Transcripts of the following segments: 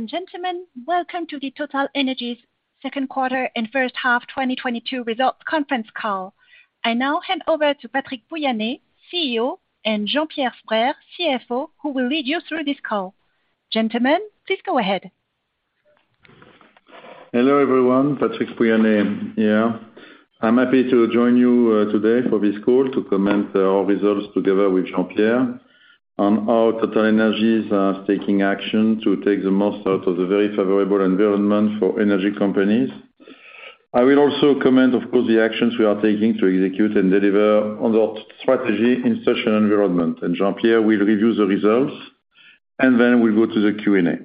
Ladies and gentlemen, welcome to the TotalEnergies second quarter and first half 2022 results conference call. I now hand over to Patrick Pouyanné, CEO, and Jean-Pierre Sbraire, CFO, who will lead you through this call. Gentlemen, please go ahead. Hello, everyone. Patrick Pouyanné here. I'm happy to join you today for this call to comment our results together with Jean-Pierre on how TotalEnergies are taking action to take the most out of the very favorable environment for energy companies. I will also comment, of course, the actions we are taking to execute and deliver on our strategy in such an environment. Jean-Pierre will review the results, and then we'll go to the Q&A.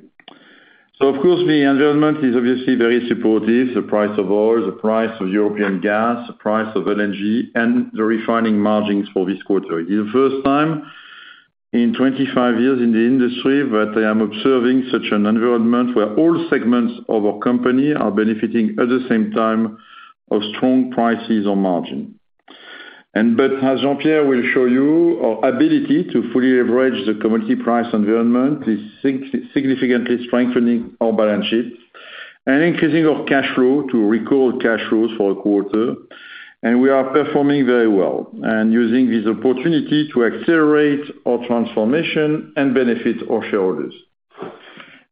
Of course, the environment is obviously very supportive. The price of oil, the price of European gas, the price of LNG and the refining margins for this quarter. The first time in 25 years in the industry that I am observing such an environment where all segments of our company are benefiting at the same time of strong prices and margins. As Jean-Pierre will show you, our ability to fully leverage the commodity price environment is significantly strengthening our balance sheets and increasing our cash flow to record cash flows for a quarter. We are performing very well and using this opportunity to accelerate our transformation and benefit our shareholders.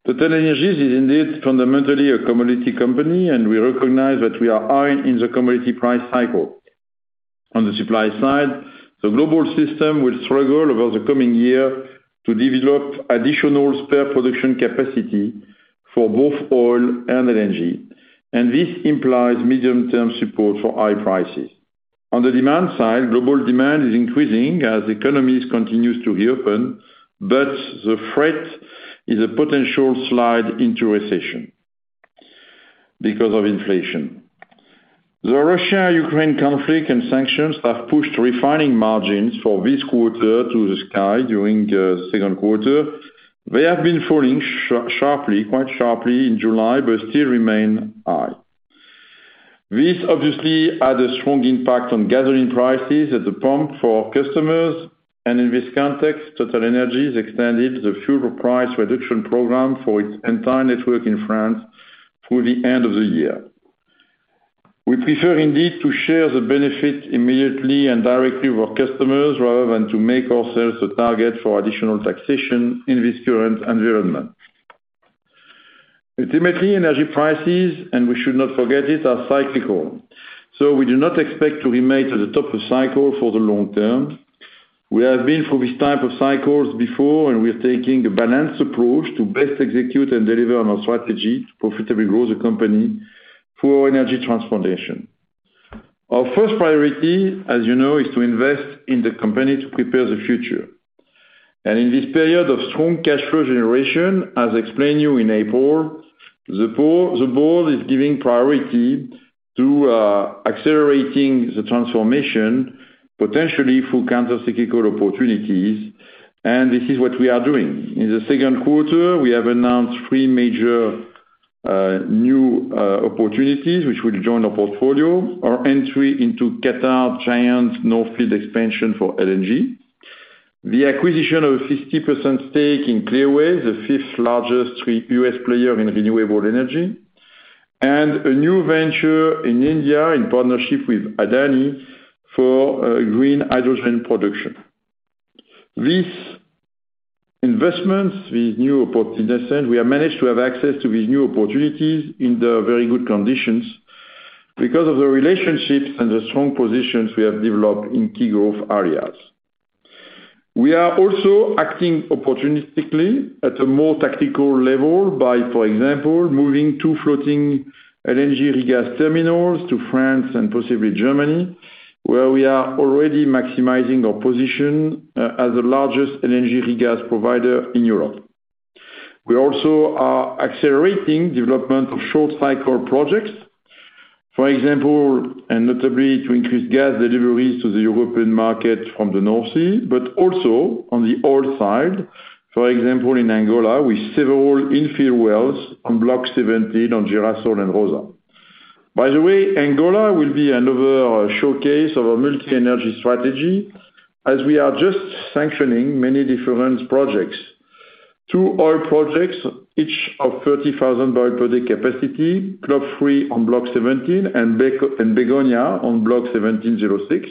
TotalEnergies is indeed fundamentally a commodity company, and we recognize that we are high in the commodity price cycle. On the supply side, the global system will struggle over the coming year to develop additional spare production capacity for both oil and LNG, and this implies medium-term support for high prices. On the demand side, global demand is increasing as economies continues to reopen, but the threat is a potential slide into recession because of inflation. The Russia-Ukraine conflict and sanctions have pushed refining margins for this quarter to the sky during second quarter. They have been falling sharply, quite sharply in July, but still remain high. This obviously had a strong impact on gasoline prices at the pump for customers. In this context, TotalEnergies extended the fuel price reduction program for its entire network in France through the end of the year. We prefer indeed to share the benefit immediately and directly with customers rather than to make ourselves a target for additional taxation in this current environment. Ultimately, energy prices, and we should not forget it, are cyclical, so we do not expect to remain at the top of cycle for the long term. We have been through these type of cycles before, and we are taking a balanced approach to best execute and deliver on our strategy to profitably grow the company through our energy transformation. Our first priority, as you know, is to invest in the company to prepare the future. In this period of strong cash flow generation, as explained to you in April, the board is giving priority to accelerating the transformation potentially through counter-cyclical opportunities, and this is what we are doing. In the second quarter, we have announced three major new opportunities which will join our portfolio. Our entry into Qatar North Field expansion for LNG. The acquisition of a 50% stake in Clearway, the fifth-largest US player in renewable energy, and a new venture in India in partnership with Adani for green hydrogen production. These investments with new opportunities, we have managed to have access to these new opportunities in the very good conditions because of the relationships and the strong positions we have developed in key growth areas. We are also acting opportunistically at a more tactical level by, for example, moving 2 floating LNG regas terminals to France and possibly Germany, where we are already maximizing our position as the largest LNG regas provider in Europe. We also are accelerating development of short-cycle projects, for example, and notably to increase gas deliveries to the European market from the North Sea, but also on the oil side. For example, in Angola, with several infill wells on Block 17 on Girassol and Rosa. By the way, Angola will be another showcase of our multi-energy strategy as we are just sanctioning many different projects. Two oil projects, each of 30,000 barrels per day capacity, CLOV on Block 17 and Begonia on Block 17/06.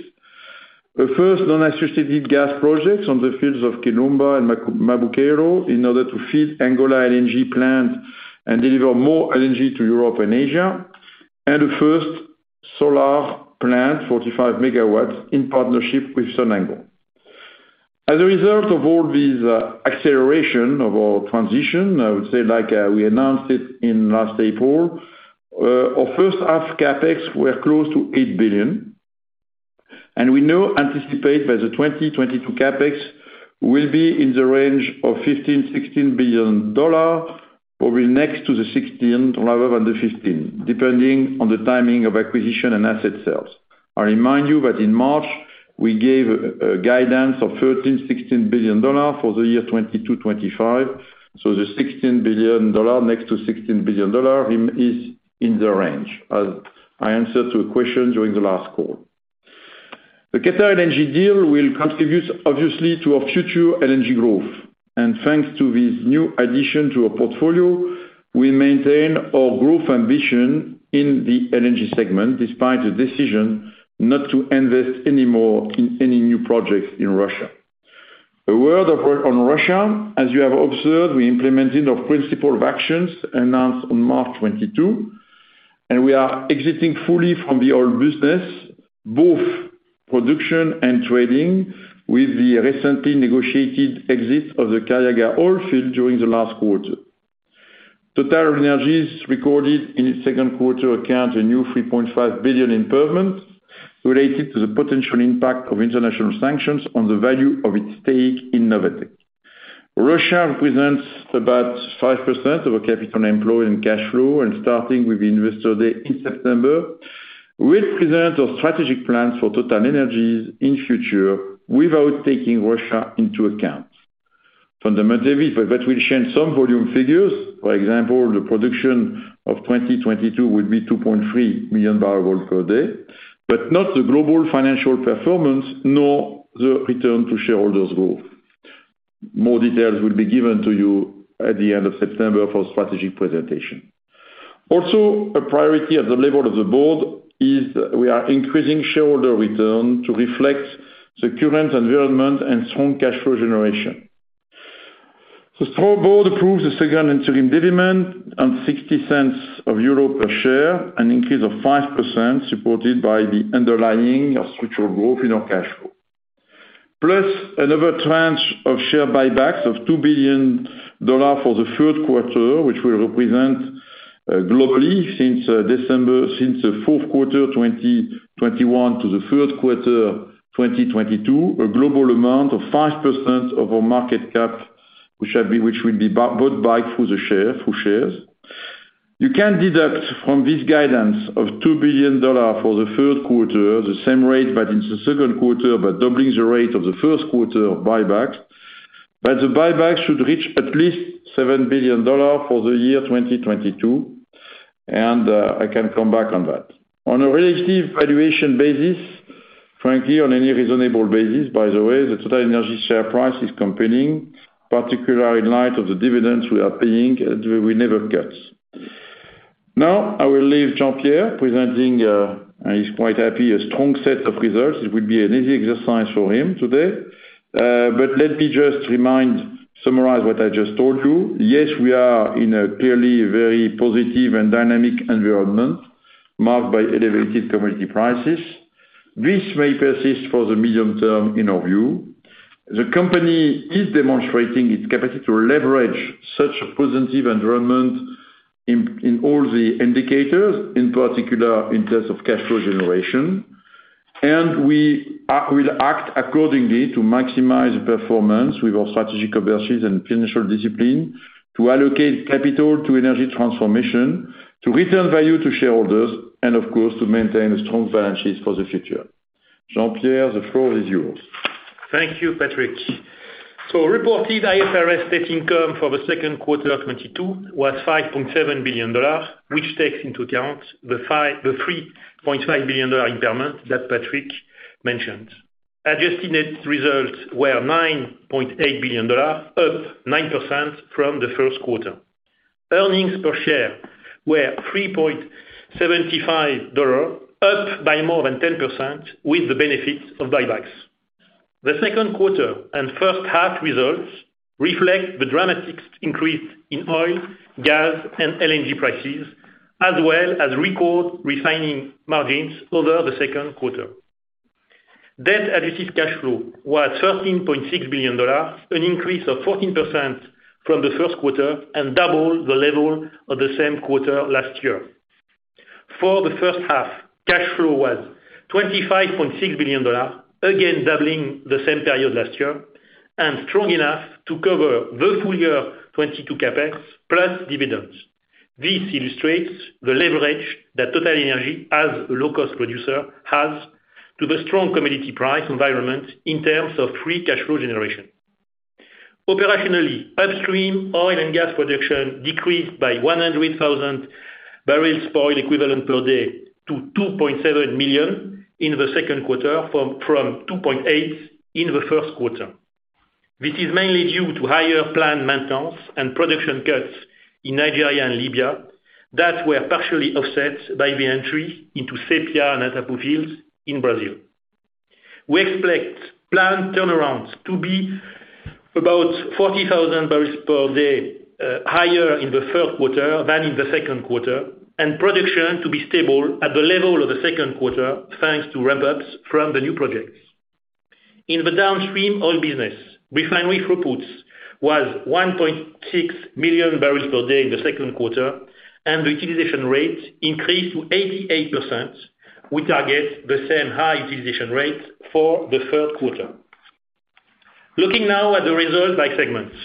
The first non-associated gas projects on the fields of Quiluma and Maboqueiro in order to feed Angola LNG plant and deliver more LNG to Europe and Asia. The first solar plant, 45 MW, in partnership with Sonangol. As a result of all these, acceleration of our transition, I would say, we announced it in last April, our first half CapEx were close to $8 billion. We now anticipate that the 2022 CapEx will be in the range of $15 billion-$16 billion, or be next to the $16 billion rather than the $15 billion, depending on the timing of acquisition and asset sales. I remind you that in March we gave a guidance of $13 billion-$16 billion for the year 2022-2025. The $16 billion, next to $16 billion, is in the range, as I answered to a question during the last call. The QatarEnergy deal will contribute obviously to our future LNG growth. Thanks to this new addition to our portfolio, we maintain our growth ambition in the LNG segment, despite the decision not to invest any more in any new projects in Russia. A word or two on Russia. As you have observed, we implemented our principle of actions announced on March 2022, and we are exiting fully from the oil business, both production and trading, with the recently negotiated exit of the Karachaganak Oil Field during the last quarter. TotalEnergies recorded in its second quarter account a new $3.5 billion impairment related to the potential impact of international sanctions on the value of its stake in Novatek. Russia represents about 5% of our capital employed in cash flow. Starting with Investor Day in September, we'll present our strategic plans for TotalEnergies in future without taking Russia into account. Fundamentally, that will change some volume figures. For example, the production of 2022 will be 2.3 million barrels per day, but not the global financial performance, nor the return to shareholders growth. More details will be given to you at the end of September for strategic presentation. Also, a priority at the level of the board is we are increasing shareholder return to reflect the current environment and strong cash flow generation. The Board approves the second interim dividend of EUR 0.60 per share, an increase of 5% supported by the underlying structural growth in our cash flow. Plus another tranche of share buybacks of $2 billion for the third quarter, which will represent globally since December since the fourth quarter of 2021 to the third quarter of 2022, a global amount of 5% of our market cap, which will be bought back through shares. You can deduct from this guidance of $2 billion for the third quarter the same rate but in the second quarter, doubling the rate of the first quarter of buybacks. The buyback should reach at least $7 billion for the year 2022, and I can come back on that. On a relative valuation basis, frankly, on any reasonable basis, by the way, the TotalEnergies share price is competing, particularly in light of the dividends we are paying, we never cut. Now, I will leave Jean-Pierre presenting, and he's quite happy, a strong set of results. It will be an easy exercise for him today. Let me just remind, summarize what I just told you. Yes, we are in a clearly very positive and dynamic environment marked by elevated commodity prices. This may persist for the medium term, in our view. The company is demonstrating its capacity to leverage such a positive environment in all the indicators, in particular in terms of cash flow generation. We will act accordingly to maximize performance with our strategic ambitions and financial discipline, to allocate capital to energy transformation, to return value to shareholders, and of course, to maintain a strong balance sheet for the future. Jean-Pierre, the floor is yours. Thank you, Patrick. Reported IFRS net income for the second quarter of 2022 was $5.7 billion, which takes into account the $3.5 billion impairment that Patrick mentioned. Adjusted net results were $9.8 billion, up 9% from the first quarter. Earnings per share were $3.75, up by more than 10% with the benefit of buybacks. The second quarter and first half results reflect the dramatic increase in oil, gas, and LNG prices, as well as record refining margins over the second quarter. Net adjusted cash flow was $13.6 billion, an increase of 14% from the first quarter and double the level of the same quarter last year. For the first half, cash flow was $25.6 billion, again doubling the same period last year and strong enough to cover the full year 2022 CapEx plus dividends. This illustrates the leverage that TotalEnergies as a low cost producer has to the strong commodity price environment in terms of free cash flow generation. Operationally, upstream oil and gas production decreased by 100,000 barrels of oil equivalent per day to 2.7 million in the second quarter from 2.8 in the first quarter. This is mainly due to higher planned maintenance and production cuts in Nigeria and Libya that were partially offset by the entry into Sépia and Atapu fields in Brazil. We expect planned turnarounds to be about 40,000 barrels per day, higher in the third quarter than in the second quarter, and production to be stable at the level of the second quarter, thanks to ramp ups from the new projects. In the downstream oil business, refinery throughput was 1.6 million barrels per day in the second quarter, and the utilization rate increased to 88%. We target the same high utilization rate for the third quarter. Looking now at the results by segments.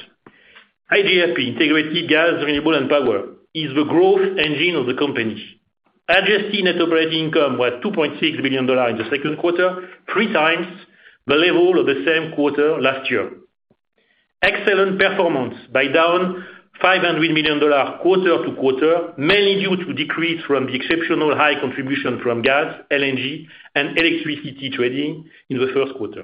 IGRP, Integrated Gas, Renewables & Power is the growth engine of the company. Adjusted net operating income was $2.6 billion in the second quarter, three times the level of the same quarter last year. Excellent performance was down $500 million quarter-over-quarter, mainly due to a decrease from the exceptional high contribution from gas, LNG and electricity trading in the first quarter.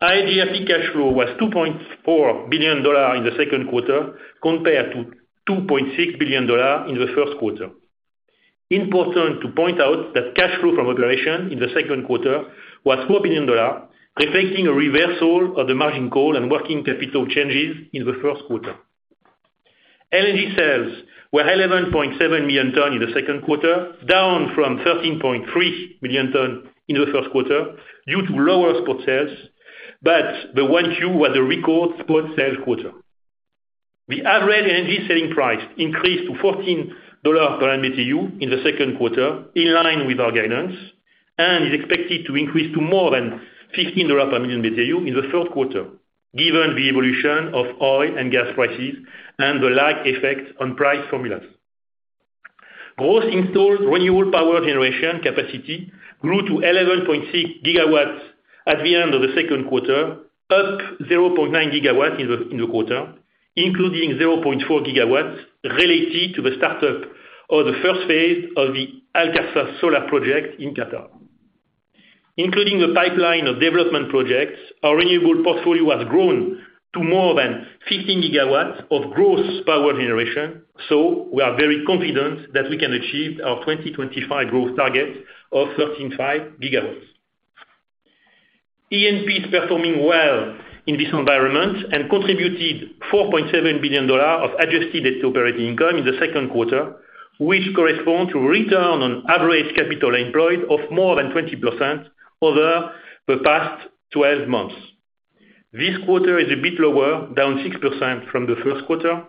Adjusted free cash flow was $2.4 billion in the second quarter compared to $2.6 billion in the first quarter. Important to point out that cash flow from operations in the second quarter was $4 billion, reflecting a reversal of the margin call and working capital changes in the first quarter. LNG sales were 11.7 million tons in the second quarter, down from 13.3 million tons in the first quarter due to lower spot sales, but 1Q was a record spot sales quarter. The average energy selling price increased to $14 per MMBtu in the second quarter, in line with our guidance, and is expected to increase to more than $15 per MMBtu in the third quarter given the evolution of oil and gas prices and the lag effect on price formulas. Gross installed renewable power generation capacity grew to 11.6 GW at the end of the second quarter, up 0.9 GW in the quarter, including 0.4 GW related to the start-up or the first phase of the Al Kharsaah solar project in Qatar. Including a pipeline of development projects, our renewable portfolio has grown to more than 15 GW of gross power generation. We are very confident that we can achieve our 2025 growth target of 35 GW. E&P is performing well in this environment and contributed $4.7 billion of adjusted operating income in the second quarter, which correspond to return on average capital employed of more than 20% over the past 12 months. This quarter is a bit lower, down 6% from the first quarter,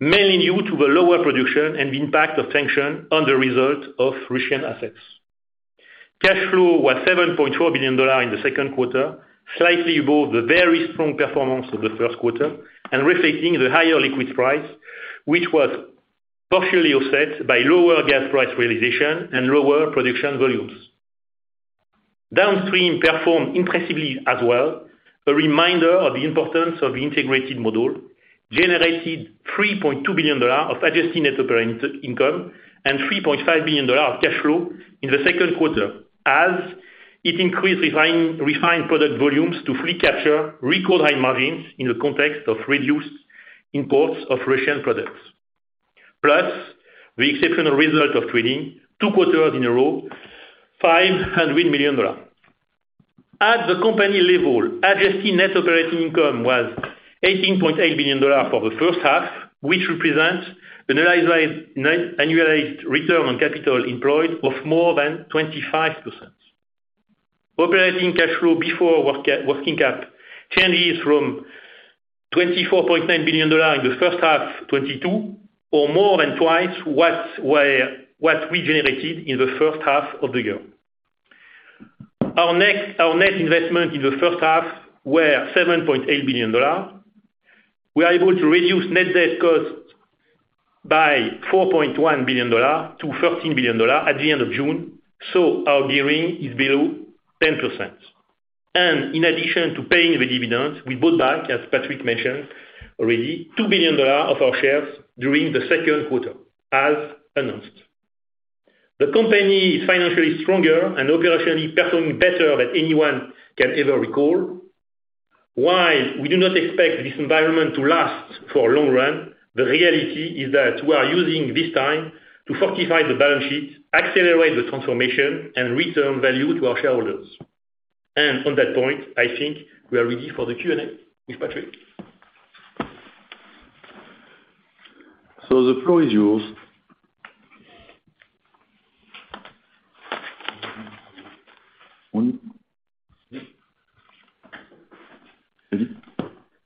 mainly due to the lower production and impact of sanction on the result of Russian assets. Cash flow was $7.4 billion in the second quarter, slightly above the very strong performance of the first quarter and reflecting the higher liquid price, which was partially offset by lower gas price realization and lower production volumes. Downstream performed impressively as well, a reminder of the importance of the integrated model, generated $3.2 billion of adjusted net operating income and $3.5 billion of cash flow in the second quarter as it increased refined product volumes to fully capture record high margins in the context of reduced imports of Russian products. Plus, the exceptional result of trading two quarters in a row, $500 million. At the company level, adjusted net operating income was $18.8 billion for the first half, which represents an annualized return on capital employed of more than 25%. Operating cash flow before working capital changes was $24.9 billion in the first half 2022 or more than twice what we generated in the first half of the year. Our net investment in the first half were $7.8 billion. We are able to reduce net debt cost by $4.1 billion to $13 billion at the end of June, so our gearing is below 10%. In addition to paying the dividends, we bought back, as Patrick mentioned already, $2 billion of our shares during the second quarter as announced. The company is financially stronger and operationally performing better than anyone can ever recall. While we do not expect this environment to last for long run, the reality is that we are using this time to fortify the balance sheet, accelerate the transformation and return value to our shareholders. On that point, I think we are ready for the Q&A with Patrick. The floor is yours.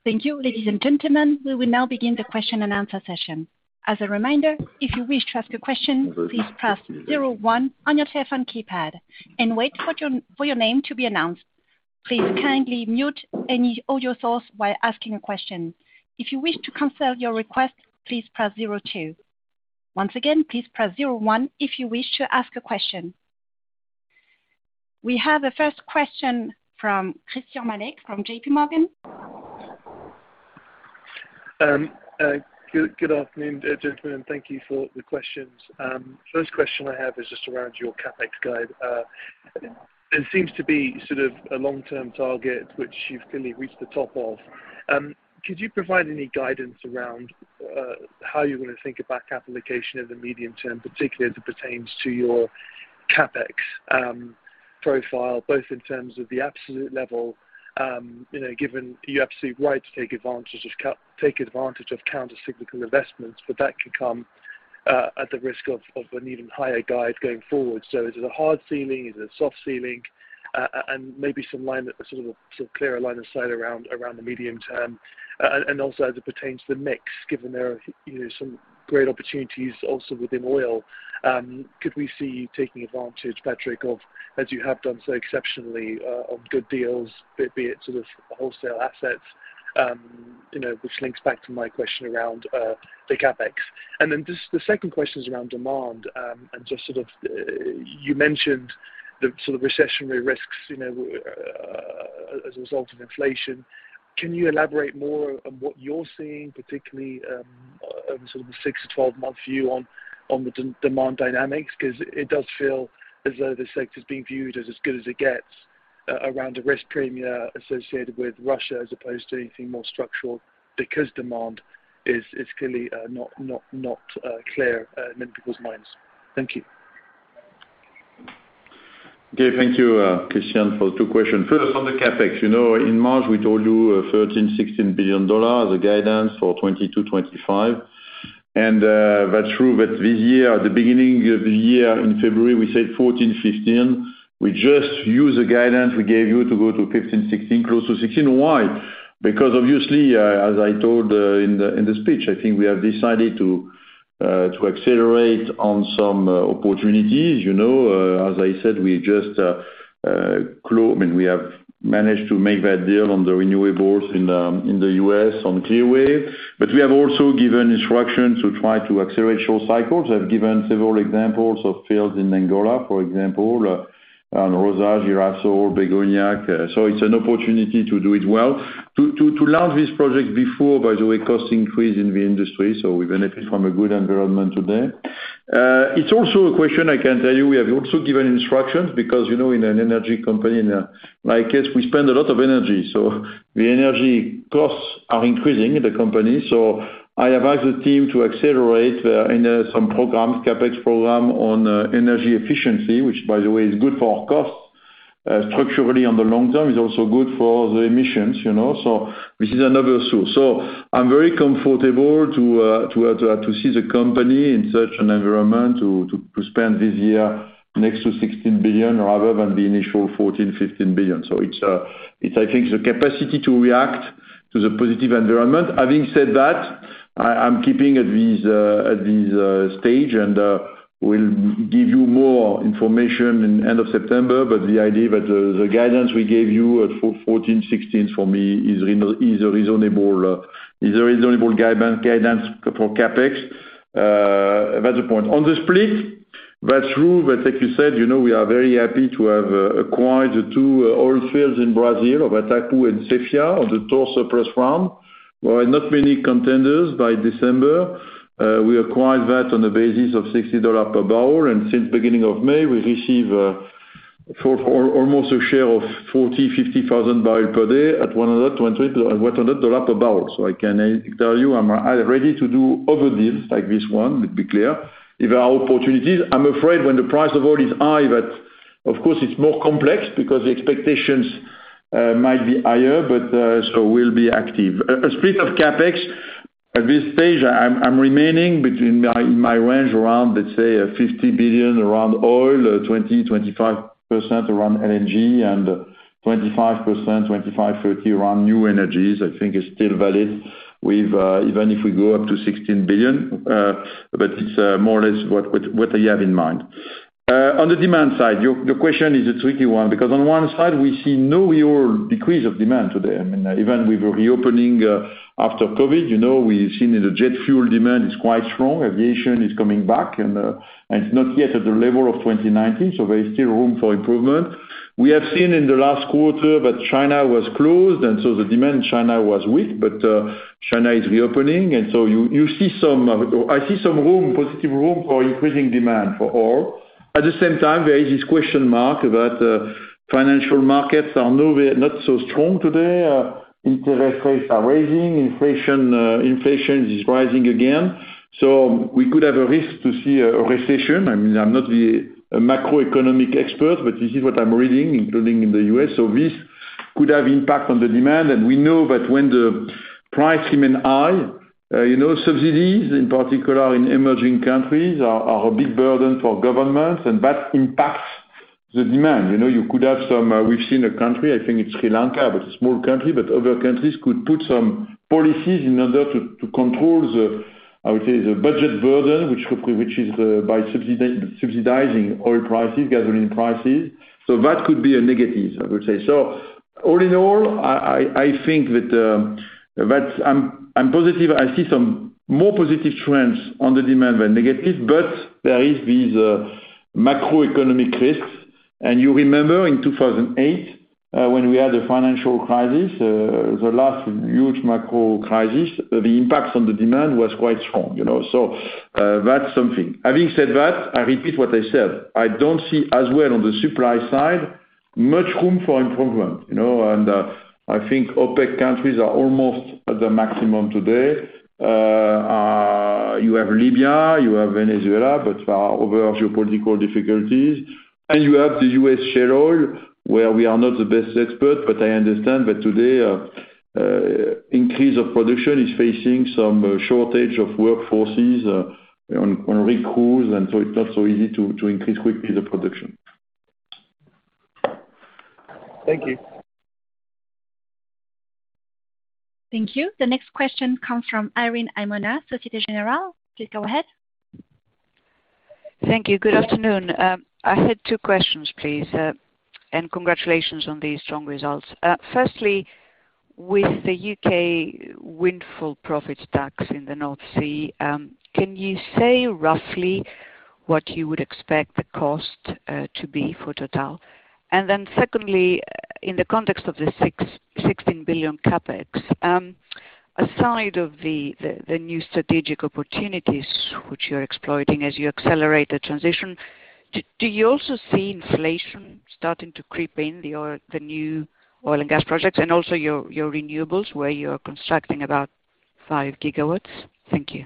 Thank you, ladies and gentlemen. We will now begin the question and answer session. As a reminder, if you wish to ask a question, please press zero one on your telephone keypad and wait for your name to be announced. Please kindly mute any audio source while asking a question. If you wish to cancel your request, please press zero two. Once again, please press zero one if you wish to ask a question. We have the first question from Christyan Malek from JPMorgan. Good afternoon, gentlemen. Thank you for the questions. First question I have is just around your CapEx guide. There seems to be sort of a long-term target which you've clearly reached the top of. Could you provide any guidance around how you're gonna think about capital allocation in the medium term, particularly as it pertains to your CapEx profile, both in terms of the absolute level, you know, given you have the absolute right to take advantage of countercyclical investments, but that could come at the risk of an even higher guide going forward. Is it a hard ceiling, is it a soft ceiling? Maybe some sort of clearer line of sight around the medium term and also as it pertains to the mix, given there are, you know, some great opportunities also within oil. Could we see you taking advantage, Patrick, of, as you have done so exceptionally, of good deals, be it sort of wholesale assets, you know, which links back to my question around the CapEx. Just the second question is around demand, and just sort of, you mentioned the sort of recessionary risks, you know, as a result of inflation. Can you elaborate more on what you're seeing, particularly, on sort of a six to 12 month view on the demand dynamics? It does feel as though the sector is being viewed as good as it gets around a risk premia associated with Russia as opposed to anything more structural because demand is clearly not clear in people's minds. Thank you. Okay, thank you, Christyan, for the two questions. First, on the CapEx, you know, in March, we told you, $13 billion-$16 billion, the guidance for 2022-2025. That's true that this year, at the beginning of the year in February, we said $14 billion, $15 billion. We just used the guidance we gave you to go to $15 billion-$16 billion, close to $16 billion. Why? Because obviously, as I told in the speech, I think we have decided to accelerate on some opportunities. You know, as I said, I mean, we have managed to make that deal on the renewables in the U.S. on Clearway. But we have also given instructions to try to accelerate short cycles. I've given several examples of fields in Angola, for example, on Rosa, Girassol, Begonia. It's an opportunity to do it well. To launch these projects before, by the way, cost increase in the industry, so we benefit from a good environment today. It's also a question I can tell you, we have also given instructions because, you know, in an energy company, in my case, we spend a lot of energy. The energy costs are increasing in the company. I advise the team to accelerate in some programs, CapEx program on energy efficiency, which by the way, is good for our costs, structurally on the long term. It's also good for the emissions, you know. This is another source. I'm very comfortable to see the company in such an environment to spend this year next to $16 billion rather than the initial $14 billion-15 billion. It's, I think, the capacity to react to the positive environment. Having said that, I'm keeping it at this stage and will give you more information at the end of September. The idea that the guidance we gave you of $14 billion-$16 billion, for me, is a reasonable guidance for CapEx. That's the point. On the split, that's true, but like you said, you know, we are very happy to have acquired the two oil fields in Brazil of Atapu and Sépia on the Transfer of Rights Surplus farm. There were not many contenders by December. We acquired that on the basis of $60 per barrel, and since beginning of May, we receive almost a share of 40-50,000 barrels per day at $100-$120 per barrel. I can tell you, I'm ready to do other deals like this one, let's be clear, if there are opportunities. I'm afraid when the price of oil is high, that, of course, it's more complex because the expectations might be higher, but so we'll be active. A split of CapEx, at this stage, I'm remaining between my range around, let's say, 50% around oil, 20%-25% around LNG, and 25%-30% around new energies, I think is still valid even if we go up to $16 billion. It's more or less what I have in mind. On the demand side, the question is a tricky one because on one side we see no real decrease of demand today. I mean, even with the reopening after COVID, you know, we've seen the jet fuel demand is quite strong. Aviation is coming back and it's not yet at the level of 2019, so there is still room for improvement. We have seen in the last quarter that China was closed, and so the demand in China was weak. China is reopening and so you see some, I see some room, positive room for increasing demand for oil. At the same time, there is this question mark that financial markets are nowhere near as strong today. Interest rates are rising. Inflation, inflation is rising again. We could have a risk to see a recession. I mean, I'm not a macroeconomic expert, but this is what I'm reading, including in the US. This could have impact on the demand. We know that when the price remain high, you know, subsidies, in particular in emerging countries are a big burden for governments, and that impacts the demand. You know, you could have some, we've seen a country, I think it's Sri Lanka, but a small country, but other countries could put some policies in order to control the, I would say, the budget burden, which hopefully, which is by subsidizing oil prices, gasoline prices. That could be a negative, I would say. All in all, I think that I'm positive. I see some more positive trends on the demand than negative, but there is these macroeconomic risks. You remember in 2008, when we had a financial crisis, the last huge macro crisis, the impacts on the demand was quite strong, you know? That's something. Having said that, I repeat what I said. I don't see as well on the supply side, much room for improvement, you know? I think OPEC countries are almost at the maximum today. You have Libya, you have Venezuela, but other geopolitical difficulties. You have the U.S. shale oil, where we are not the best expert, but I understand that today, increase of production is facing some shortage of workforces, on rig crews, and so it's not so easy to increase quickly the production. Thank you. Thank you. The next question comes from Irene Himona, Societe Generale. Please go ahead. Thank you. Good afternoon. I had two questions, please. Congratulations on these strong results. Firstly, with the U.K. windfall profits tax in the North Sea, can you say roughly? What you would expect the cost to be for Total? Secondly, in the context of the $16 billion CapEx, aside from the new strategic opportunities which you're exploiting as you accelerate the transition, do you also see inflation starting to creep into the new oil and gas projects and also your renewables, where you're constructing about 5 gigawatts? Thank you.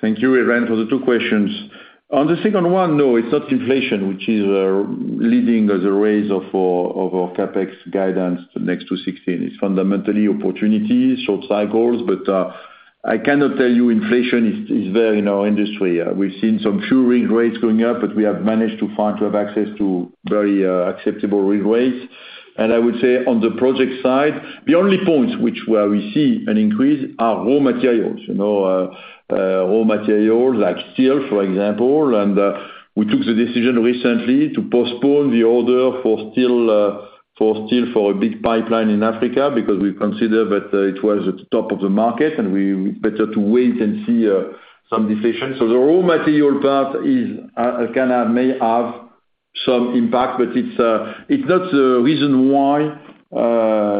Thank you, Irene, for the two questions. On the second one, no, it's not inflation which is leading the raise of our CapEx guidance to next to $16 billion. It's fundamentally opportunities, short cycles. I cannot tell you inflation is there in our industry. We've seen a few rig rates going up, but we have managed to have access to very acceptable rig rates. I would say on the project side, the only points where we see an increase are raw materials. You know, raw materials like steel, for example. We took the decision recently to postpone the order for steel for a big pipeline in Africa because we consider that it was at the top of the market and better to wait and see some deflation. The raw material part is again may have some impact, but it's not the reason why.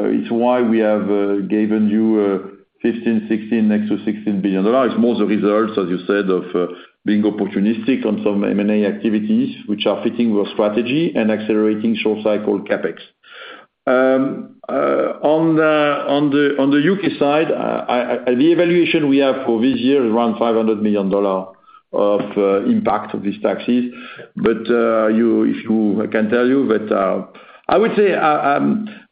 It's why we have given you $15 billion-$16 billion next to $16 billion. It's more the results as you said of being opportunistic on some M&A activities which are fitting with strategy and accelerating short-cycle CapEx. On the U.K. side, the evaluation we have for this year is around $500 million of impact of these taxes. I can tell you that I would say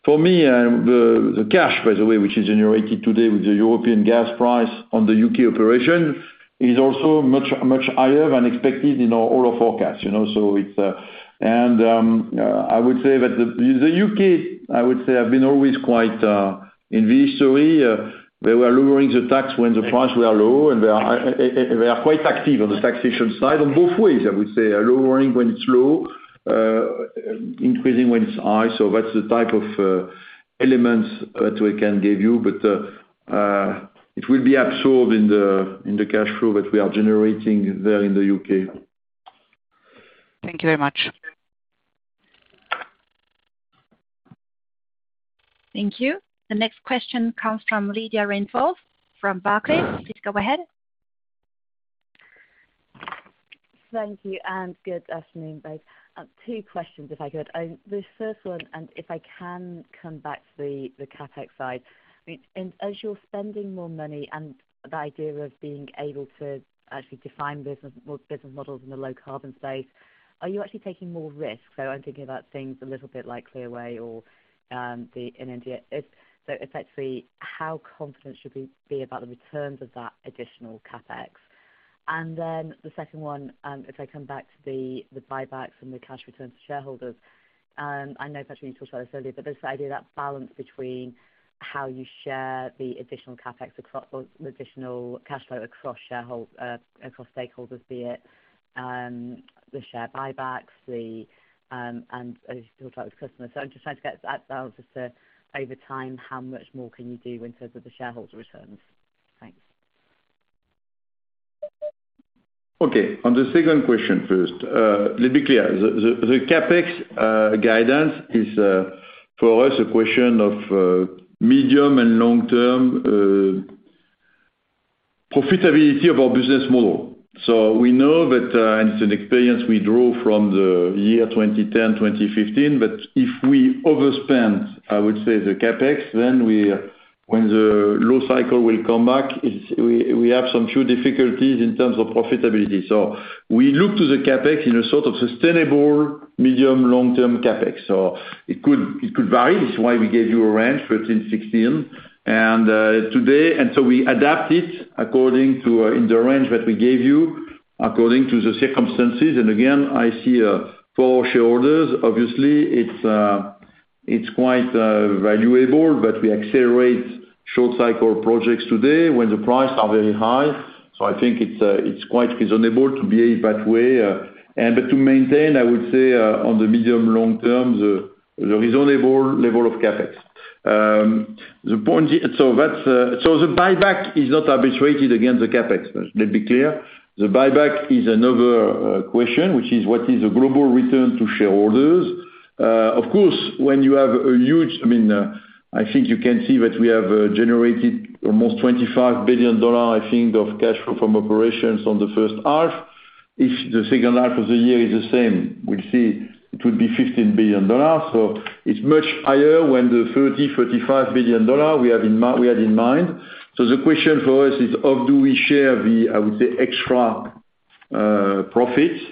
for me the cash by the way which is generated today with the European gas price on the U.K. operation is also much higher than expected in all our forecasts, you know. I would say that the U.K. I would say have been always quite in the history they were lowering the tax when the price were low, and they are quite active on the taxation side on both ways, I would say. Lowering when it's low, increasing when it's high. That's the type of elements that we can give you. It will be absorbed in the cash flow that we are generating there in the U.K. Thank you very much. Thank you. The next question comes from Lydia Rainforth from Barclays. Please go ahead. Thank you, and good afternoon, both. Two questions, if I could. The first one, if I can come back to the CapEx side. As you're spending more money and the idea of being able to actually define business, more business models in the low carbon space, are you actually taking more risks? I'm thinking about things a little bit like Clearway or the energy. If so, effectively, how confident should we be about the returns of that additional CapEx? The second one, if I come back to the buyback from the cash return to shareholders. I know, Patrick, you talked about this earlier, but this idea, that balance between how you share the additional CapEx across, or the additional cash flow across stakeholders, be it, the share buybacks, and as you talked about with customers. I'm just trying to get a balance as to over time, how much more can you do in terms of the shareholder returns? Thanks. Okay. On the second question first. Let's be clear. The CapEx guidance is for us a question of medium and long-term profitability of our business model. We know that, and it's an experience we draw from the year 2010, 2015, that if we overspend, I would say the CapEx, then when the low cycle will come back, we have some few difficulties in terms of profitability. We look to the CapEx in a sort of sustainable medium, long-term CapEx. It could vary. This is why we gave you a range, $13 billion-$16 billion. Today we adapt it according to in the range that we gave you, according to the circumstances. I see for shareholders, obviously it's quite valuable that we accelerate short-cycle projects today when the prices are very high. I think it's quite reasonable to behave that way. To maintain, I would say, on the medium, long term, the reasonable level of CapEx. The point is, the buyback is not arbitrated against the CapEx. Let's be clear. The buyback is another question, which is what is the global return to shareholders. Of course, when you have a huge, I mean, I think you can see that we have generated almost $25 billion, I think, of cash from operations in the first half. If the second half of the year is the same, we'll see it will be $15 billion. It's much higher than the $30 billion-$35 billion we had in mind. The question for us is how do we share the, I would say, extra profits?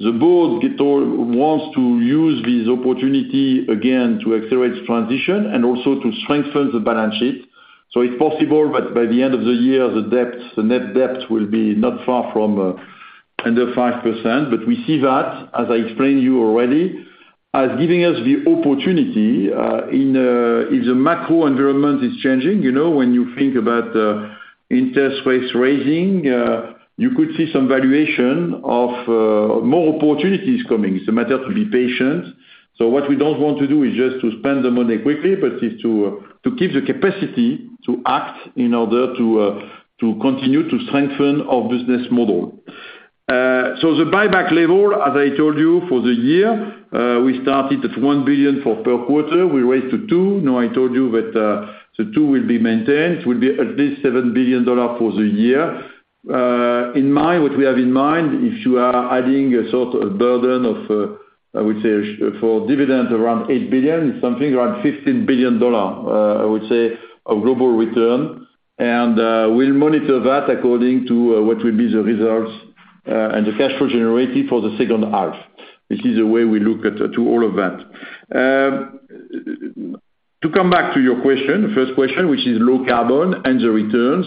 The board wants to use this opportunity again to accelerate transition and also to strengthen the balance sheet. It's possible that by the end of the year, the debt, the net debt will be not far from under 5%. We see that, as I explained to you already, as giving us the opportunity and if the macro environment is changing. You know, when you think about interest rates rising, you could see some valuation of more opportunities coming. It's a matter to be patient. What we don't want to do is just to spend the money quickly, but to keep the capacity to act in order to continue to strengthen our business model. The buyback level, as I told you for the year, we started at $1 billion per quarter. We raised to $2 billion. Now I told you that the $2 billion will be maintained, it will be at least $7 billion for the year. What we have in mind, if you are adding a sort of burden of, I would say for dividend around $8 billion, it's something around $15 billion, I would say a global return. We'll monitor that according to what will be the results and the cash flow generated for the second half. This is the way we look at all of that. To come back to your question, the first question, which is low carbon and the returns.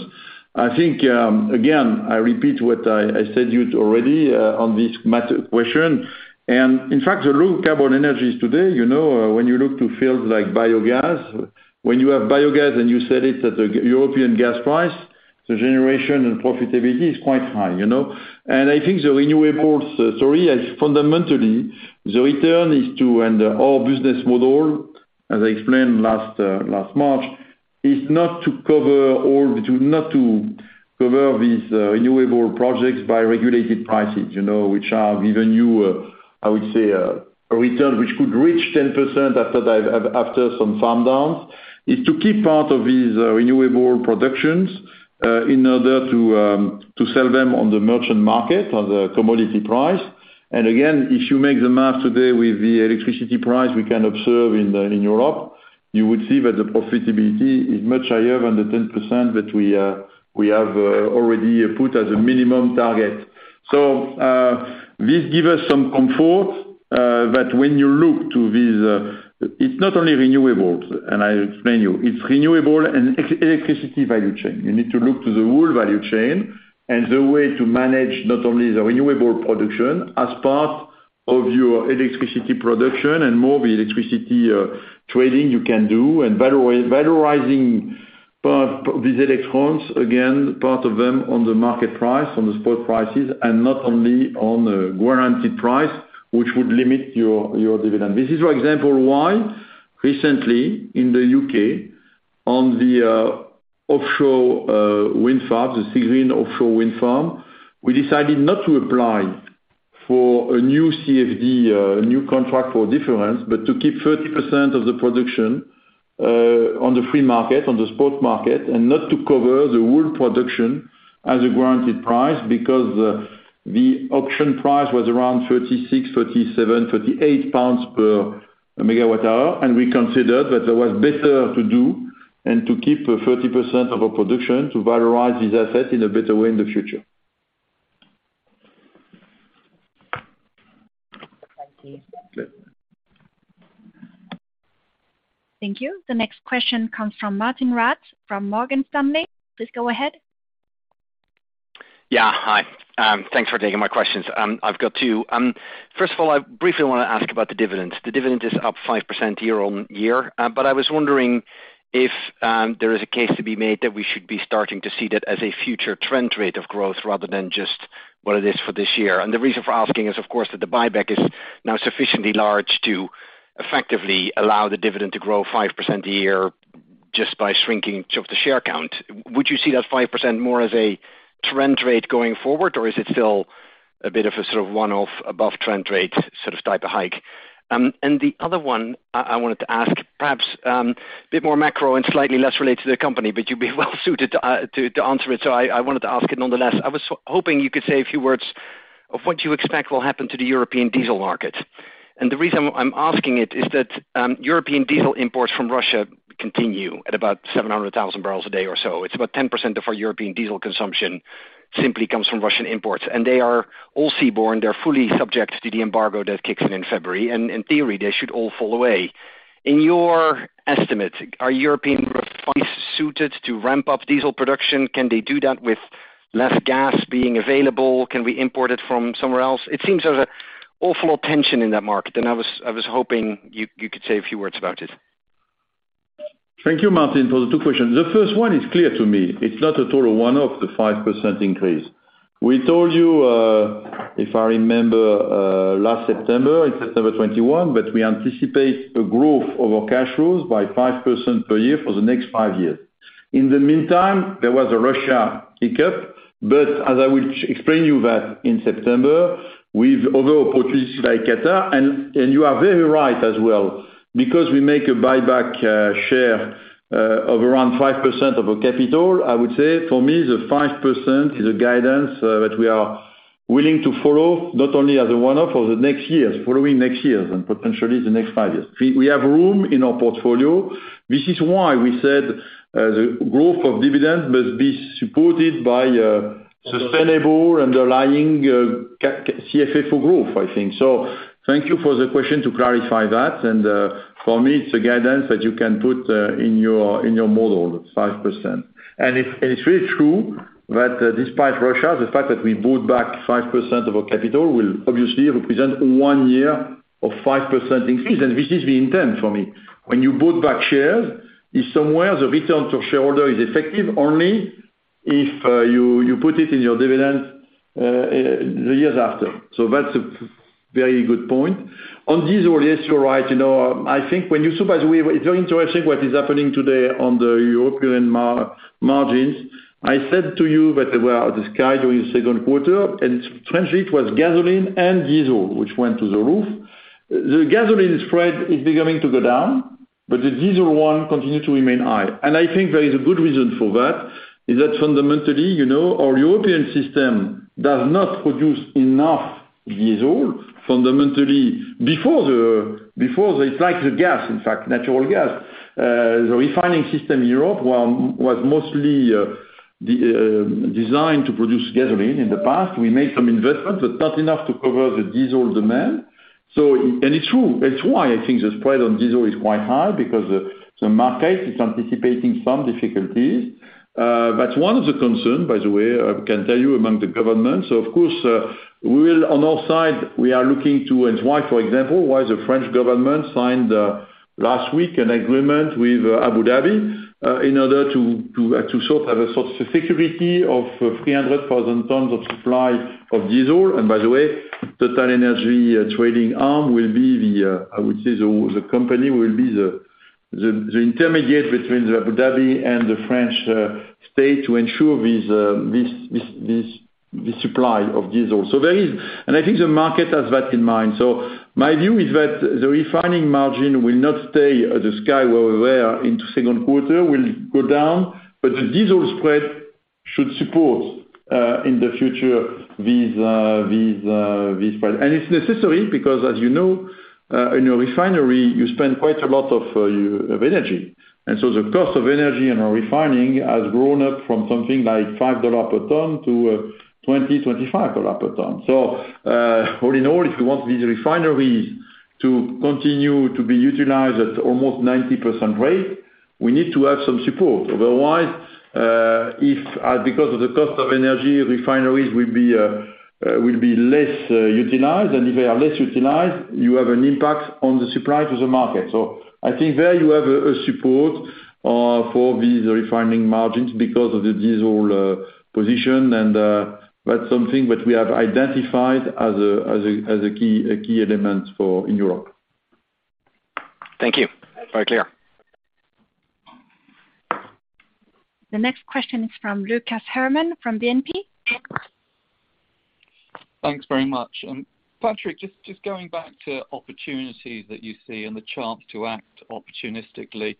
I think, again, I repeat what I said already, on this matter. In fact, the low carbon energies today, you know, when you look at fields like biogas, when you have biogas and you sell it at the European gas price, the generation and profitability is quite high, you know. I think the renewable story is fundamentally the return is to, and our business model, as I explained last March, is not to cover all the. Not to cover these renewable projects by regulated prices, you know, which have given you, I would say, a return which could reach 10% after some farm downs, is to keep part of these renewable productions, in order to sell them on the merchant market on the commodity price. Again, if you make the math today with the electricity price we can observe in Europe, you would see that the profitability is much higher than the 10% that we have already put as a minimum target. This give us some comfort that when you look to these, it's not only renewables, and I'll explain you, it's renewable and electricity value chain. You need to look to the whole value chain and the way to manage not only the renewable production as part of your electricity production and more the electricity trading you can do and valorizing these electrons, again, part of them on the market price, on the spot prices and not only on the guaranteed price, which would limit your dividend. This is for example why recently in the U.K. on the offshore wind farms, the Seagreen offshore wind farm, we decided not to apply for a new CFD, a new contract for difference, but to keep 30% of the production on the free market, on the spot market, and not to cover the whole production as a guaranteed price because the auction price was around 36 pounds, 37 pounds, 38 pounds per megawatt hour, and we considered that it was better to do and to keep 30% of our production to valorize this asset in a better way in the future. Thank you. Thank you. The next question comes from Martijn Rats from Morgan Stanley. Please go ahead. Yeah. Hi. Thanks for taking my questions. I've got two. First of all, I briefly wanna ask about the dividends. The dividend is up 5% year-over-year. But I was wondering if there is a case to be made that we should be starting to see that as a future trend rate of growth rather than just what it is for this year. The reason for asking is of course that the buyback is now sufficiently large to effectively allow the dividend to grow 5% a year just by shrinking the share count. Would you see that 5% more as a trend rate going forward, or is it still a bit of a sort of one-off above trend rate sort of type of hike? The other one I wanted to ask perhaps, a bit more macro and slightly less related to the company, but you'd be well suited to answer it, so I wanted to ask it nonetheless. I was hoping you could say a few words on what you expect will happen to the European diesel market. The reason I'm asking it is that, European diesel imports from Russia continue at about 700,000 barrels a day or so. It's about 10% of our European diesel consumption simply comes from Russian imports, and they are all seaborne. They're fully subject to the embargo that kicks in in February, and in theory, they should all fall away. In your estimate, are European suited to ramp up diesel production? Can they do that with less gas being available? Can we import it from somewhere else? It seems there's an awful lot of tension in that market, and I was hoping you could say a few words about it. Thank you, Martijn, for the two questions. The first one is clear to me. It's not a total one-off, the 5% increase. We told you, if I remember, last September, it's September 2021, but we anticipate a growth of our cash flows by 5% per year for the next five years. In the meantime, there was a Russia hiccup, but as I will explain to you that in September with other opportunities like Qatar, and you are very right as well because we make a share buyback of around 5% of our capital. I would say for me, the 5% is a guidance that we are willing to follow, not only as a one-off for the next years, following next years and potentially the next five years. We have room in our portfolio. This is why we said the growth of dividend must be supported by sustainable underlying CFFO growth, I think. Thank you for the question to clarify that, and for me, it's a guidance that you can put in your model, 5%. It's really true that, despite Russia, the fact that we bought back 5% of our capital will obviously represent one year of 5% increase, and this is the intent for me. When you bought back shares, it's somewhere the return to shareholder is effective only if you put it in your dividend the years after. That's very good point. On diesel, yes, you're right. You know, I think by the way, it's very interesting what is happening today on the European margins. I said to you that they were sky-high during second quarter, and frankly, it was gasoline and diesel which went through the roof. The gasoline spread is beginning to go down, but the diesel one continued to remain high. I think there is a good reason for that, is that fundamentally, you know, our European system does not produce enough diesel fundamentally. Before they like the gas, in fact, natural gas. The refining system in Europe was mostly designed to produce gasoline in the past. We made some investments, but not enough to cover the diesel demand. And it's true. That's why I think the spread on diesel is quite high because the market is anticipating some difficulties. That's one of the concerns, by the way, I can tell you, among the governments. Why, for example, the French government signed last week an agreement with Abu Dhabi in order to sort of have a security of 300,000 tons of supply of diesel. By the way, TotalEnergies trading arm will be, I would say, the intermediary between Abu Dhabi and the French state to ensure this supply of diesel. I think the market has that in mind. My view is that the refining margin will not stay at sky-high where we were in the second quarter, will go down. The diesel spread should support in the future these spread. It's necessary because as you know, in a refinery, you spend quite a lot of energy. The cost of energy in our refining has grown up from something like $5 per ton to $20, $25 per ton. All in all, if you want these refineries to continue to be utilized at almost 90% rate, we need to have some support. Otherwise, if because of the cost of energy, refineries will be less utilized. If they are less utilized, you have an impact on the supply to the market. I think there you have a support for these refining margins because of the diesel position, and that's something which we have identified as a key element for in Europe. Thank you. Very clear. The next question is from Lucas Herrmann from BNP. Thanks very much. Patrick, just going back to opportunities that you see and the chance to act opportunistically.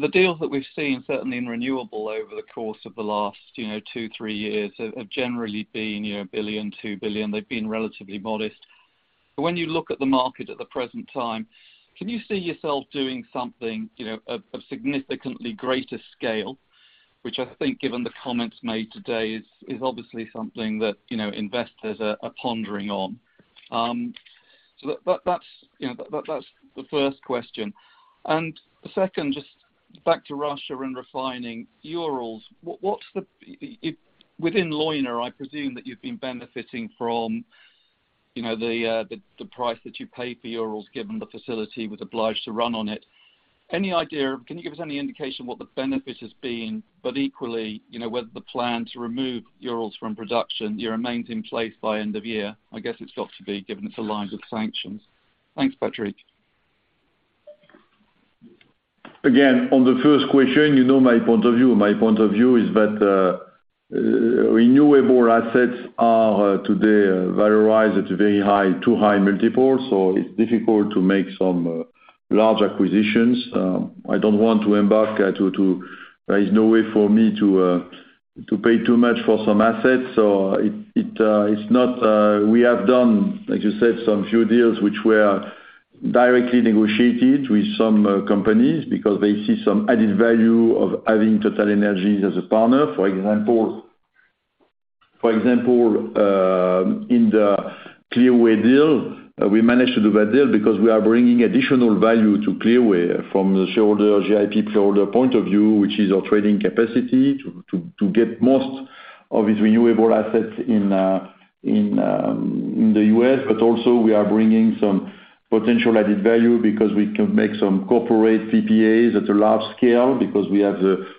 The deals that we've seen, certainly in renewable over the course of the last, you know, two, three years have generally been, you know, $1 billion, $2 billion. They've been relatively modest. When you look at the market at the present time, can you see yourself doing something, you know, of significantly greater scale, which I think, given the comments made today is obviously something that, you know, investors are pondering on. That's the first question. The second, just back to Russia and refining Urals. What's the. If within Leuna, I presume that you've been benefiting from, you know, the price that you pay for Urals, given the facility was obliged to run on it. Any idea, can you give us any indication what the benefit has been, but equally, you know, whether the plan to remove Urals from production, you know, remains in place by end of year? I guess it's got to be given it's aligned with sanctions. Thanks, Patrick. Again, on the first question, you know my point of view. My point of view is that renewable assets are today valorized at very high, too high multiples, so it's difficult to make some large acquisitions. There is no way for me to pay too much for some assets. So it's not. We have done, like you said, some few deals which were directly negotiated with some companies because they see some added value of having TotalEnergies as a partner. For example, in the Clearway deal, we managed to do that deal because we are bringing additional value to Clearway from the GIP shareholder point of view, which is our trading capacity to get most of its renewable assets in the U.S. Also we are bringing some potential added value because we can make some corporate PPAs at a large scale because we have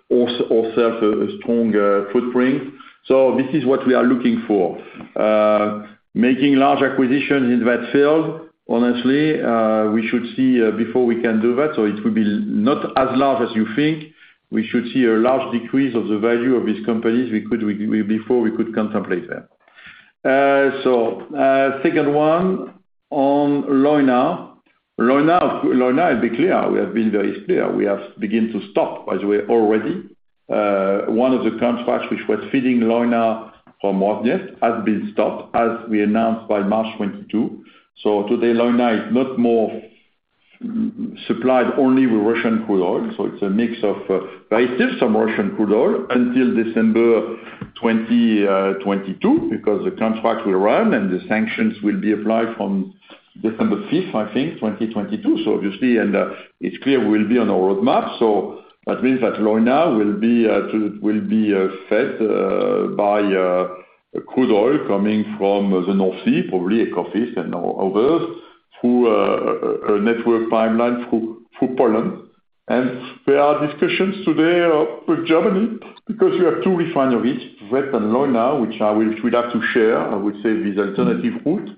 also a strong footprint. This is what we are looking for. Making large acquisitions in that field, honestly, we should see before we can do that. It will be not as large as you think. We should see a large decrease of the value of these companies. We could before we could contemplate that. Second one on Leuna. Leuna, I'll be clear. We have been very clear. We have begin to stop, by the way, already. One of the contracts which was feeding Leuna from Russia has been stopped, as we announced by March 2022. Today, Leuna is no more supplied only with Russian crude oil. It's a mix of, but it's still some Russian crude oil until December 2022, because the contract will run, and the sanctions will be applied from December 5th, I think, 2022. Obviously, it's clear we'll be on our roadmap. That means that Leuna will be fed by crude oil coming from the North Sea, probably Ekofisk and others, through a network pipeline through Poland. There are discussions today with Germany because you have two refineries, Schwedt and Leuna, which we'd have to share, I would say, with alternative route.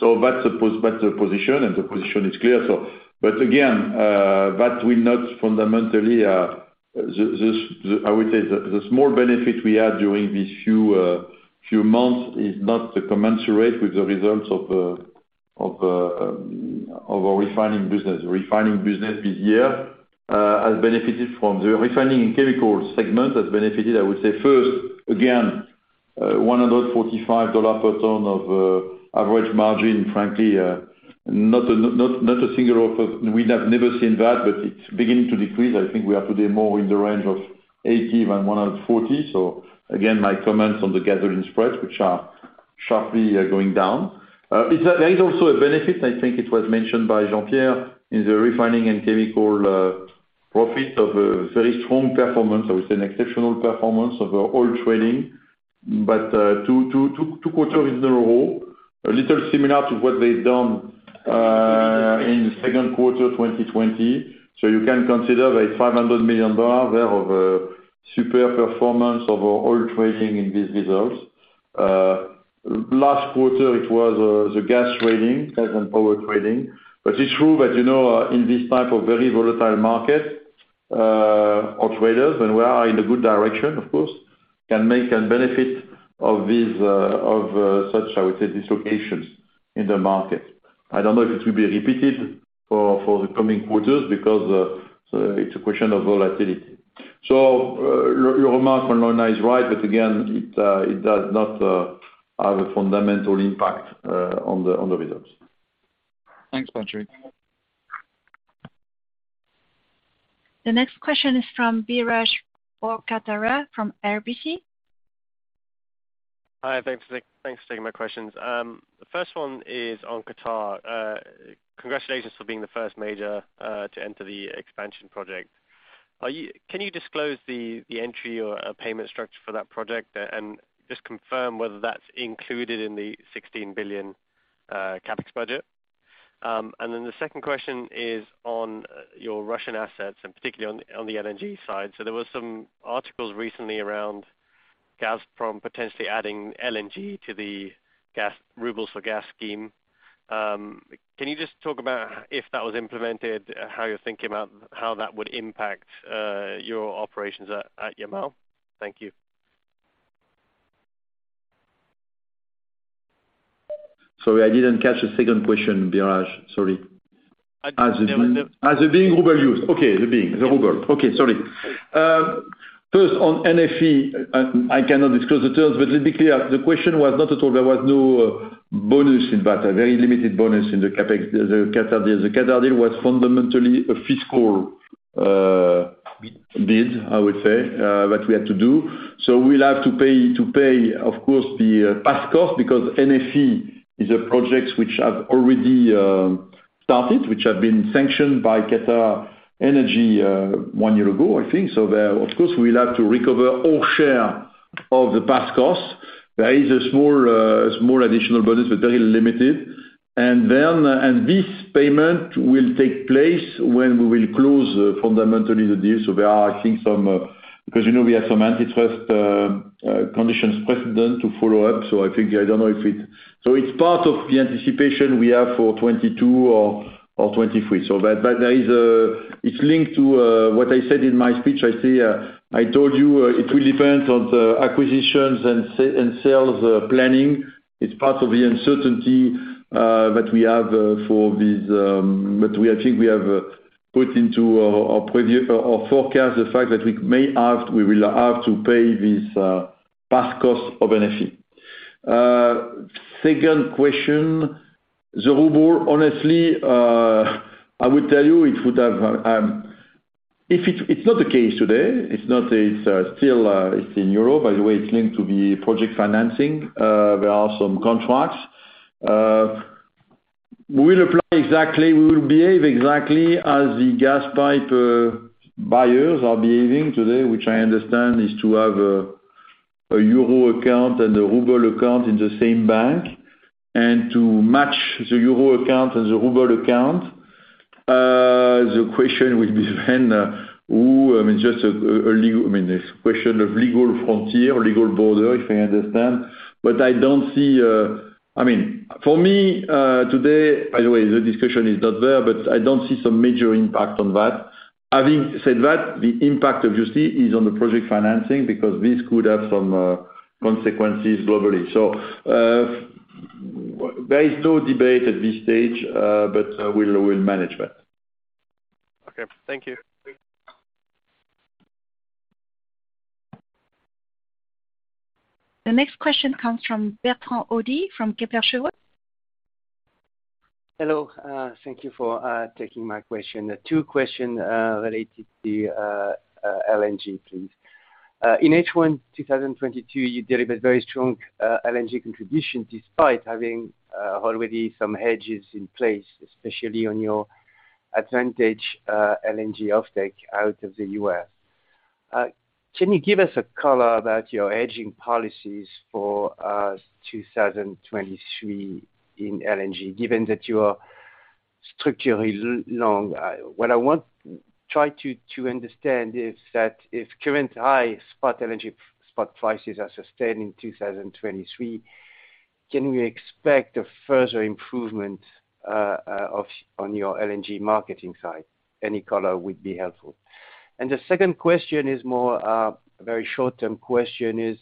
That's the position, and the position is clear. That will not fundamentally, I would say, the small benefit we had during these few months is not commensurate with the results of our refining business. Refining business this year has benefited from the refining and chemical segment, has benefited, I would say, first, again, $145 per ton of average margin, frankly, not a shocker. We have never seen that, but it's beginning to decrease. I think we have to be more in the range of $80 than $140. Again, my comments on the crack spreads, which are sharply going down. There is also a benefit, I think it was mentioned by Jean-Pierre, in the refining and chemical profit of a very strong performance. It's an exceptional performance of oil trading. Two quarters in a row, a little similar to what they've done in the second quarter, 2020. You can consider the $500 million there of super performance of oil trading in these results. Last quarter, it was the gas trading as in power trading. It's true that, you know, in this type of very volatile market, our traders, and we are in a good direction, of course, can make and benefit of these, of such, I would say, dislocations in the market. I don't know if it will be repeated for the coming quarters because it's a question of volatility. Your remark on Leuna is right, but again, it does not have a fundamental impact on the results. Thanks, Patrick. The next question is from Biraj Borkhataria from RBC. Hi, thanks for taking my questions. The first one is on Qatar. Congratulations for being the first major to enter the expansion project. Can you disclose the entry or payment structure for that project and just confirm whether that's included in the $16 billion CapEx budget? The second question is on your Russian assets and particularly on the LNG side. There was some articles recently around Gazprom potentially adding LNG to the gas rubles for gas scheme. Can you just talk about if that was implemented, how you're thinking about how that would impact your operations at Yamal? Thank you. Sorry, I didn't catch the second question, Biraj. Sorry. First on NFE, I cannot disclose the terms, but let's be clear, the question was not at all. There was no bonus in that, a very limited bonus in the CapEx, the Qatar deal. The Qatar deal was fundamentally a fiscal bid, I would say, that we had to do. We'll have to pay, of course, the past cost because NFE is a project which have already started, which have been sanctioned by QatarEnergy one year ago, I think. There, of course, we'll have to recover all share of the past costs. There is a small additional bonus, but very limited. This payment will take place when we will close fundamentally the deal. There are, I think, some because, you know, we have some antitrust conditions precedent to follow up. I think, I don't know if it. It's part of the anticipation we have for 2022 or 2023. That, but there is a. It's linked to what I said in my speech. I say, I told you, it will depend on the acquisitions and sales planning. It's part of the uncertainty that we have for this that we, I think we have put into our forecast, the fact that we may have, we will have to pay this past cost of NFE. Second question, the ruble, honestly, I will tell you it would have if it's not the case today. It's not, it's still in Europe. By the way, it's linked to the project financing. There are some contracts. We'll apply exactly, we will behave exactly as the gas pipe buyers are behaving today, which I understand is to have a euro account and a ruble account in the same bank, and to match the euro account and the ruble account. The question will be then who, I mean, just a legal, I mean, this question of legal frontier, legal border, if I understand. I don't see, I mean, for me, today, by the way, the discussion is not there, but I don't see some major impact on that. Having said that, the impact, obviously, is on the project financing, because this could have some consequences globally. There is no debate at this stage, but we'll manage that. Okay. Thank you. The next question comes from Bertrand Hodee from Kepler Cheuvreux. Hello. Thank you for taking my question. Two questions related to LNG, please. In H1, 2022, you delivered very strong LNG contribution despite having already some hedges in place, especially on your advantaged LNG offtake out of the U.S. Can you give us a color about your hedging policies for 2023 in LNG, given that your structure is long? What I want to try to understand is that if current high spot LNG spot prices are sustained in 2023, can we expect a further improvement on your LNG marketing side? Any color would be helpful. The second question is more very short term question is,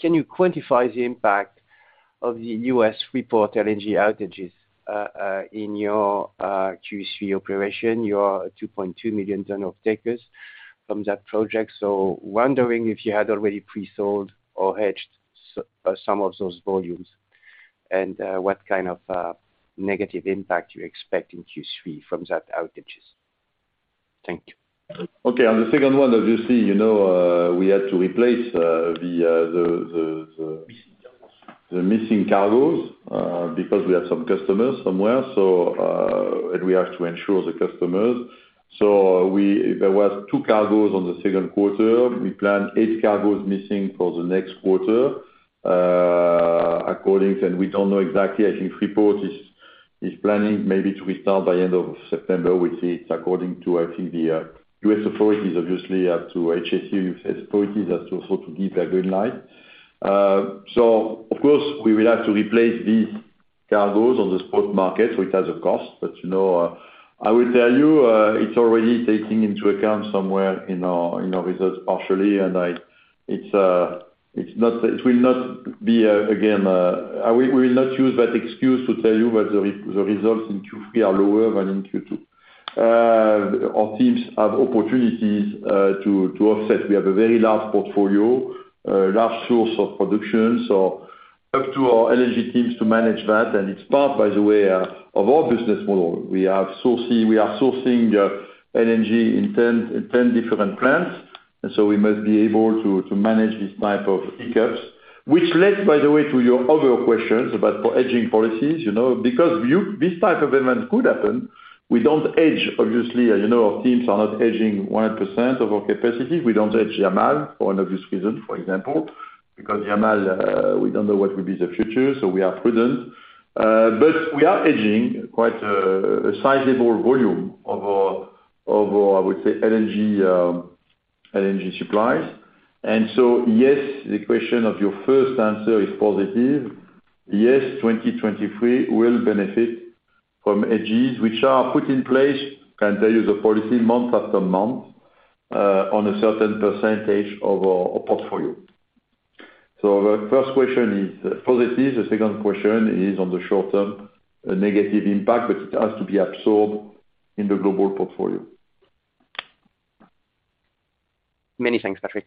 can you quantify the impact of the U.S. Freeport LNG outages in your Q3 operation, your 2.2 million ton of takers from that project? Wondering if you had already pre-sold or hedged some of those volumes and what kind of negative impact you expect in Q3 from those outages? Thank you. Okay. On the second one, obviously, you know, we had to replace. Missing cargoes. The missing cargoes, because we have some customers somewhere, and we have to ensure the customers. There was two cargoes in the second quarter. We plan eight cargoes missing for the next quarter, and we don't know exactly. I think Freeport is planning maybe to restart by end of September. We see it's according to, I think, the U.S. authorities. Obviously, they have to give a green light. Of course, we will have to replace these cargoes on the spot market, so it has a cost. You know, I will tell you, it's already taking into account somewhere in our results partially, and it will not be, again, we will not use that excuse to tell you that the results in Q3 are lower than in Q2. Our teams have opportunities to offset. We have a very large portfolio, large source of production, so up to our LNG teams to manage that. It's part, by the way, of our business model. We are sourcing LNG in 10 different plants, and so we must be able to manage this type of hiccups, which led, by the way, to your other questions about hedging policies. You know, because this type of event could happen, we don't hedge, obviously, you know, our teams are not hedging 100% of our capacity. We don't hedge Yamal for an obvious reason, for example, because Yamal, we don't know what will be the future, so we are prudent. But we are hedging quite a sizable volume of our I would say LNG supplies. Yes, the question of your first answer is positive. Yes, 2023 will benefit from hedges which are put in place, can tell you the policy month after month, on a certain percentage of our portfolio. The first question is positive. The second question is, on the short term, a negative impact, but it has to be absorbed in the global portfolio. Many thanks, Patrick.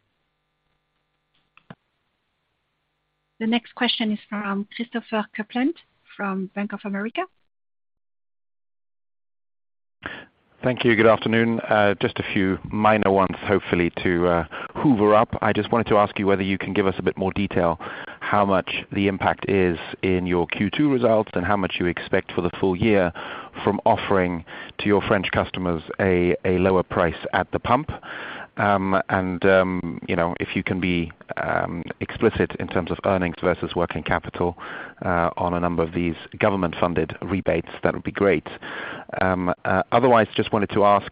The next question is from Christopher Kuplent from Bank of America. Thank you. Good afternoon. Just a few minor ones, hopefully, to hoover up. I just wanted to ask you whether you can give us a bit more detail how much the impact is in your Q2 results, and how much you expect for the full year from offering to your French customers a lower price at the pump. You know, if you can be explicit in terms of earnings versus working capital on a number of these government funded rebates, that would be great. Otherwise, just wanted to ask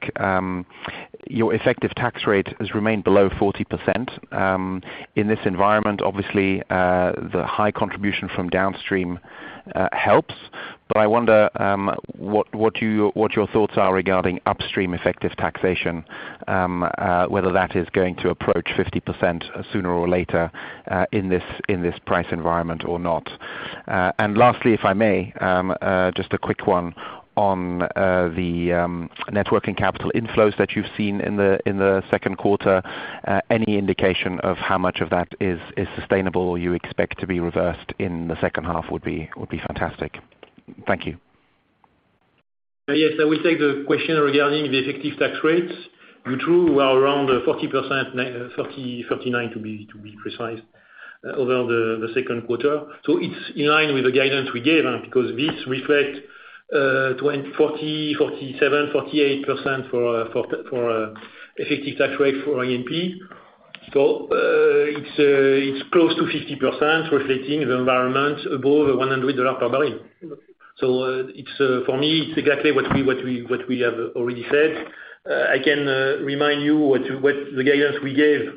your effective tax rate has remained below 40%. In this environment, obviously, the high contribution from downstream helps, but I wonder what your thoughts are regarding upstream effective taxation, whether that is going to approach 50% sooner or later, in this price environment or not. Lastly, if I may, just a quick one on the net working capital inflows that you've seen in the second quarter. Any indication of how much of that is sustainable or you expect to be reversed in the second half would be fantastic. Thank you. Yes, I will take the question regarding the effective tax rates. In Q2, we are around 40%, 39%, to be precise, over the second quarter. It's in line with the guidance we gave, because this reflects 40%, 47%, 48% for the effective tax rate for E&P. It's close to 50% reflecting the environment above $100 per barrel. It's, for me, exactly what we have already said. I can remind you what the guidance we gave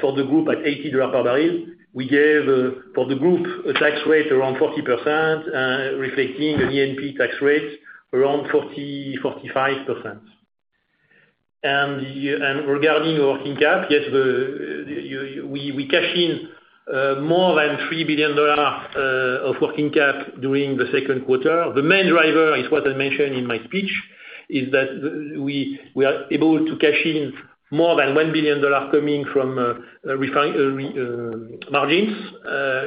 for the group at $80 per barrel. We gave for the group a tax rate around 40%, reflecting an E&P tax rate around 40%, 45%. Regarding working cap, yes, we cash in more than $3 billion of working cap during the second quarter. The main driver is what I mentioned in my speech, is that we are able to cash in more than $1 billion coming from refining margins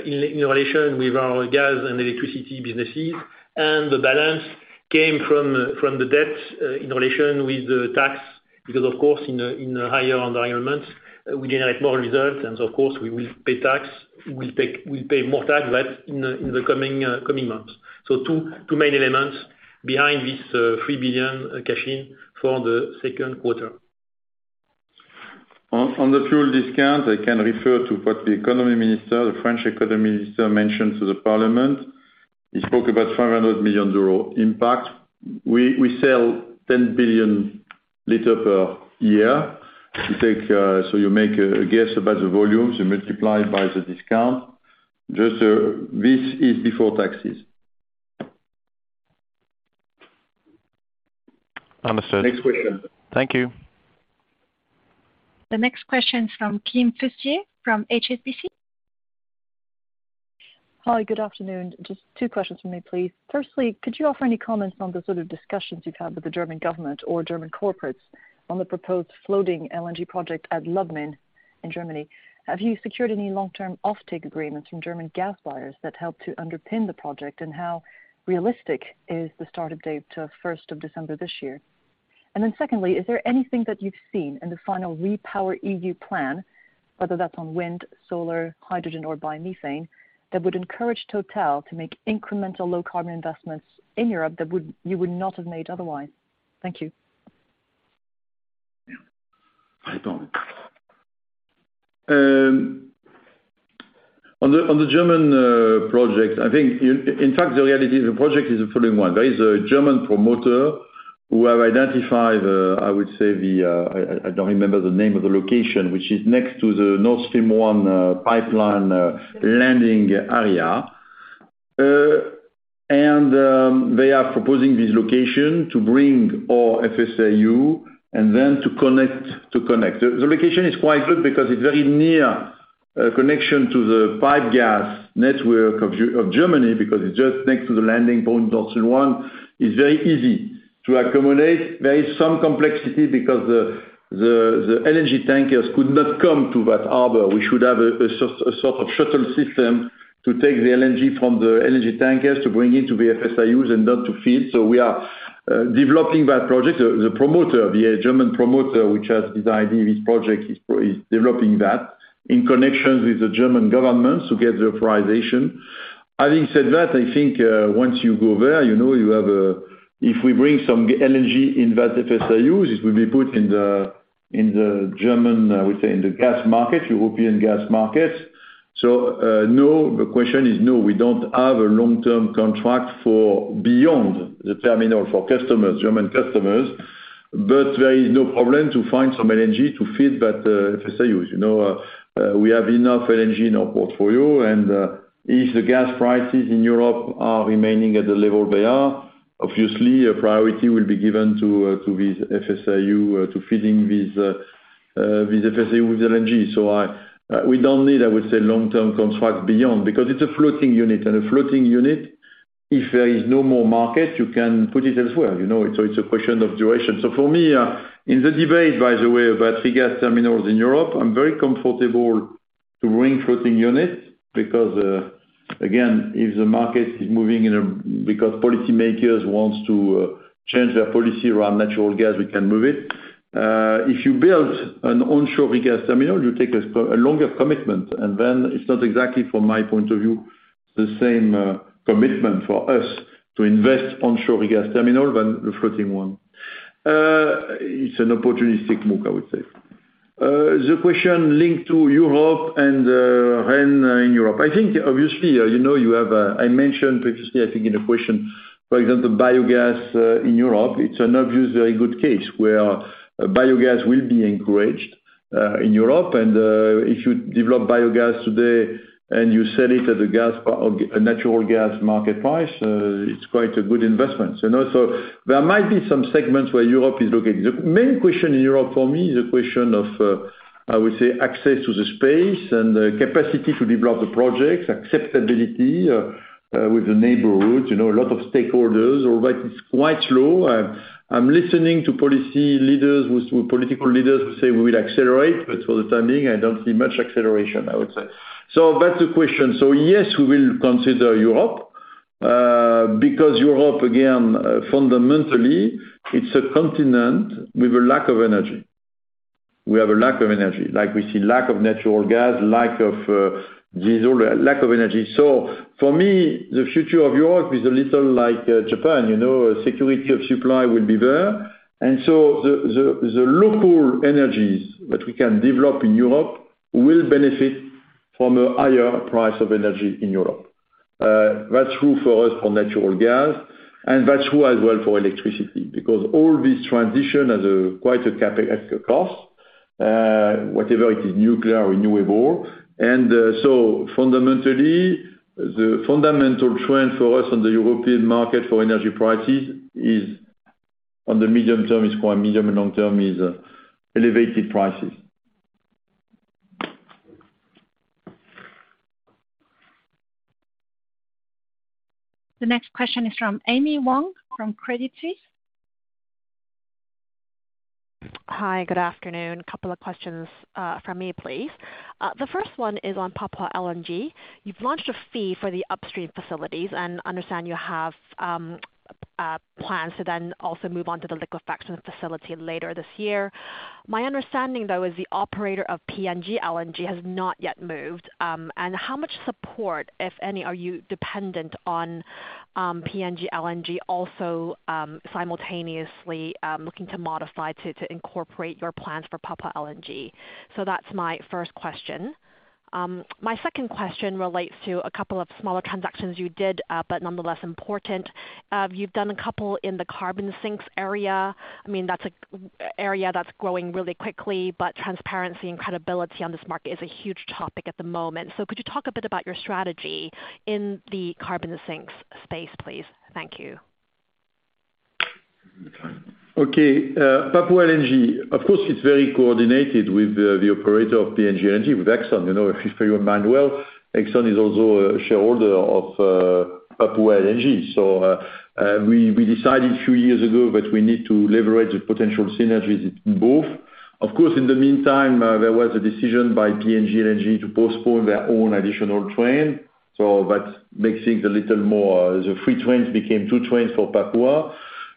in relation with our gas and electricity businesses. The balance came from the debit in relation with the tax because of course in the higher environment, we generate more results and of course we will pay tax. We'll pay more tax, but in the coming months. Two main elements behind this, $3 billion cash in for the second quarter. On the fuel discount, I can refer to what the economy minister, the French economy minister, mentioned to the parliament. He spoke about 500 million euros impact. We sell 10 billion liters per year. You make a guess about the volumes, you multiply by the discount. This is before taxes. Understood. Next question. Thank you. The next question is from Kim Fustier from HSBC. Hi. Good afternoon. Just two questions for me, please. Firstly, could you offer any comments on the sort of discussions you've had with the German government or German corporates on the proposed floating LNG project at Lubmin in Germany? Have you secured any long-term offtake agreements from German gas buyers that help to underpin the project? And how realistic is the start-up date of 1st of December this year? And then secondly, is there anything that you've seen in the final REPowerEU plan, whether that's on wind, solar, hydrogen or biomethane, that would encourage Total to make incremental low carbon investments in Europe that you would not have made otherwise? Thank you. On the German project, I think in fact the reality of the project is the following one. There is a German promoter who have identified, I would say the, I don't remember the name of the location, which is next to the Nord Stream 1 pipeline landing area. And they are proposing this location to bring our FSRU and then to connect. The location is quite good because it's very near connection to the gas pipeline network of Germany because it's just next to the landing point Nord Stream 1. It's very easy to accommodate. There is some complexity because the LNG tankers could not come to that harbor. We should have a sort of shuttle system to take the LNG from the LNG tankers to bring into the FSRUs and not to feed. We are developing that project. The promoter, the German promoter which has this idea, this project is developing that in connection with the German government to get the authorization. Having said that, I think once you go there, you know, you have. If we bring some LNG in that FSRU, this will be put in the, in the German, we say in the gas market, European gas market. No, the question is no, we don't have a long-term contract for beyond the terminal for customers, German customers. There is no problem to find some LNG to feed that FSRU. You know, we have enough LNG in our portfolio and, if the gas prices in Europe are remaining at the level they are, obviously a priority will be given to this FSRU, to feeding this FSRU with LNG. We don't need, I would say, long-term contract beyond because it's a floating unit. A floating unit, if there is no more market, you can put it elsewhere, you know. It's a question of duration. For me, in the debate, by the way, about three gas terminals in Europe, I'm very comfortable to bring floating unit because, again, if the market is moving because policymakers wants to change their policy around natural gas, we can move it. If you build an onshore gas terminal, you take a longer commitment, and then it's not exactly from my point of view, the same commitment for us to invest onshore gas terminal than the floating one. It's an opportunistic move, I would say. The question linked to Europe and when in Europe. I think obviously, you know, you have, I mentioned previously, I think in a question, for example, biogas in Europe, it's an obviously very good case where biogas will be encouraged in Europe. If you develop biogas today and you sell it at the gas or natural gas market price, it's quite a good investment, you know. There might be some segments where Europe is located. The main question in Europe for me is a question of, I would say, access to the space and the capacity to develop the projects, acceptability with the neighborhoods, you know, a lot of stakeholders. All right, it's quite slow. I'm listening to political leaders who say we will accelerate, but for the time being, I don't see much acceleration, I would say. Back to question. Yes, we will consider Europe, because Europe again, fundamentally, it's a continent with a lack of energy. We have a lack of energy, like we see lack of natural gas, lack of diesel, lack of energy. For me, the future of Europe is a little like Japan, you know. Security of supply will be there. The local energies that we can develop in Europe will benefit from a higher price of energy in Europe. That's true for us for natural gas, and that's true as well for electricity because all this transition has quite a CapEx cost, whatever it is, nuclear or renewable. Fundamentally, the fundamental trend for us on the European market for energy prices is, on the medium term, quite elevated in the medium and long term. The next question is from Amy Wong at Credit Suisse. Hi. Good afternoon. Couple of questions from me, please. The first one is on Papua LNG. You've launched a FEED for the upstream facilities and understand you have plans to then also move on to the liquefaction facility later this year. My understanding, though, is the operator of PNG LNG has not yet moved. How much support, if any, are you dependent on PNG LNG also simultaneously looking to modify to incorporate your plans for Papua LNG? So that's my first question. My second question relates to a couple of smaller transactions you did, but nonetheless important. You've done a couple in the carbon sinks area. I mean, that's an area that's growing really quickly, but transparency and credibility on this market is a huge topic at the moment. Could you talk a bit about your strategy in the carbon sinks space, please? Thank you. Okay. Papua LNG, of course, it's very coordinated with the operator of PNG LNG with Exxon. You know, if you remember well, Exxon is also a shareholder of Papua LNG. We decided a few years ago that we need to leverage the potential synergies in both. Of course, in the meantime, there was a decision by PNG LNG to postpone their own additional train. That makes things a little more. The three trains became two trains for Papua.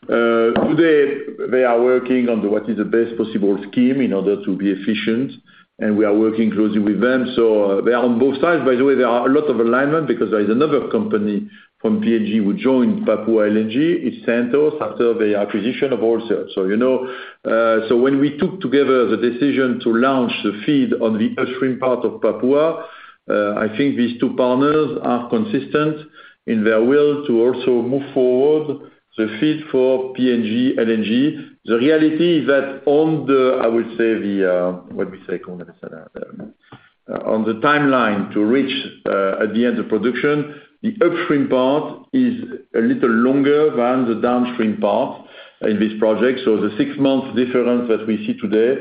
Today, they are working on what is the best possible scheme in order to be efficient, and we are working closely with them. They are on both sides. By the way, there are a lot of alignment because there is another company from PNG would join Papua LNG, is Santos after the acquisition of Oil Search. When we took together the decision to launch the FEED on the upstream part of Papua LNG, I think these two partners are consistent in their will to also move forward the FEED for PNG LNG. The reality is that on the timeline to reach at the end of production, the upstream part is a little longer than the downstream part in this project. The six-month difference that we see today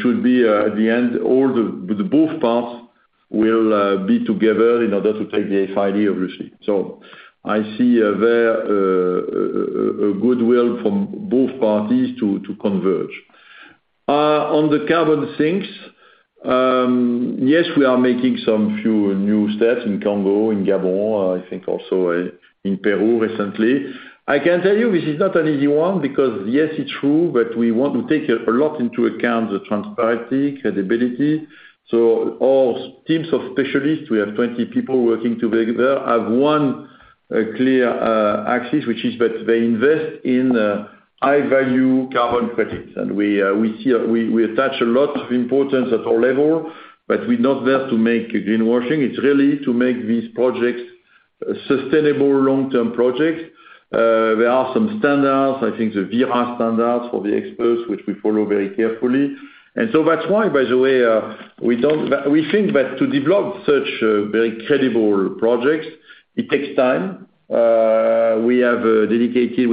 should be, at the end, both parts will be together in order to take the FID obviously. I see there a goodwill from both parties to converge. On the carbon sinks, yes, we are making some few new steps in Congo, in Gabon, I think also in Peru recently. I can tell you this is not an easy one because yes, it's true, but we want to take a lot into account the transparency, credibility. Our teams of specialists, we have 20 people working together, have one clear axis, which is that they invest in high value carbon credits. We attach a lot of importance at our level, but we're not there to make greenwashing. It's really to make these projects sustainable long-term projects. There are some standards, I think the Verra standards for the experts, which we follow very carefully. That's why, by the way, we think that to develop such very credible projects, it takes time. We are dedicating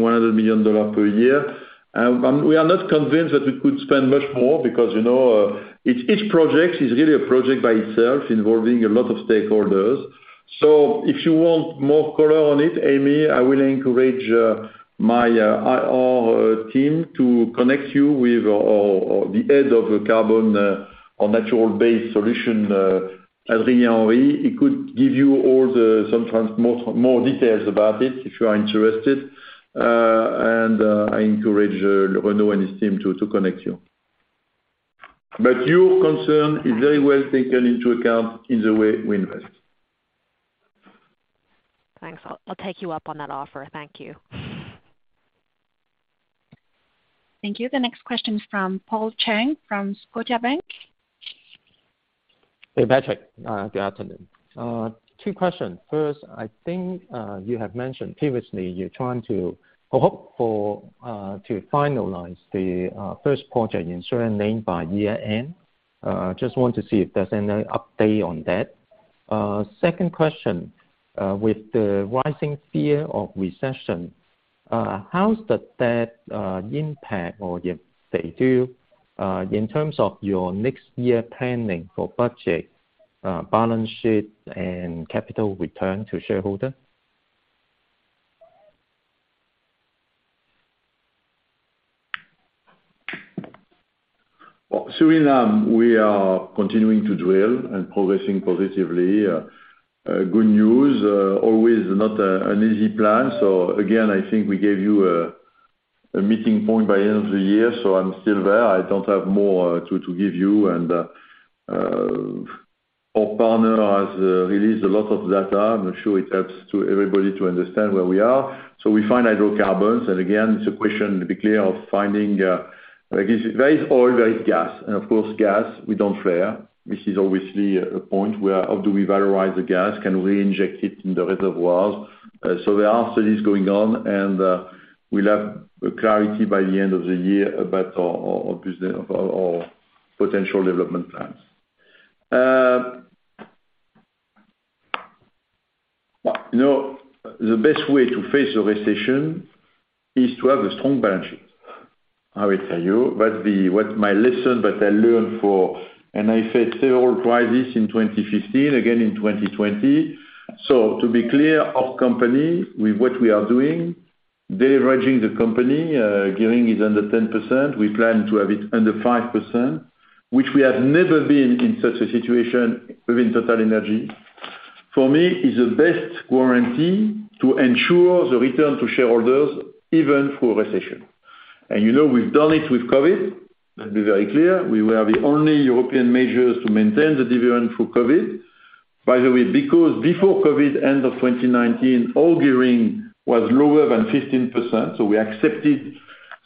$100 million per year. We are not convinced that we could spend much more because, you know, each project is really a project by itself, involving a lot of stakeholders. If you want more color on it, Amy, I will encourage my IR team to connect you with the Head of Carbon or Nature Based Solutions, Adrien Henry. He could give you all the more details about it if you are interested. I encourage [Renaud] and his team to connect you. But your concern is very well taken into account in the way we invest. Thanks. I'll take you up on that offer. Thank you. Thank you. The next question is from Paul Cheng from Scotiabank. Hey, Patrick. Good afternoon. Two questions. First, I think you have mentioned previously you're trying to or hope for to finalize the first project in Suriname by year-end. Second question, with the rising fear of recession, how does that impact or if they do in terms of your next year planning for budget, balance sheet and capital return to shareholder? Well, Suriname, we are continuing to drill and progressing positively. Good news, always not an easy plan. I think we gave you a meeting point by end of the year, so I'm still there. I don't have more to give you. Our partner has released a lot of data. I'm sure it helps everybody to understand where we are. We find hydrocarbons. Again, it's a question, to be clear, of finding where there is oil, there is gas. Of course, gas, we don't flare. This is obviously a point where how do we valorize the gas? Can we inject it in the reservoirs? There are studies going on, and we'll have a clarity by the end of the year about our potential development plans. Well, you know, the best way to face a recession is to have a strong balance sheet. I will tell you what my lesson that I learned. I faced several crises in 2015, again in 2020. To be clear, our company with what we are doing, deleveraging the company, gearing is under 10%. We plan to have it under 5%, which we have never been in such a situation within TotalEnergies. For me is the best warranty to ensure the return to shareholders, even through a recession. You know, we've done it with COVID. Let's be very clear, we were the only European majors to maintain the dividend through COVID. By the way, because before COVID, end of 2019, all gearing was lower than 15%. We accepted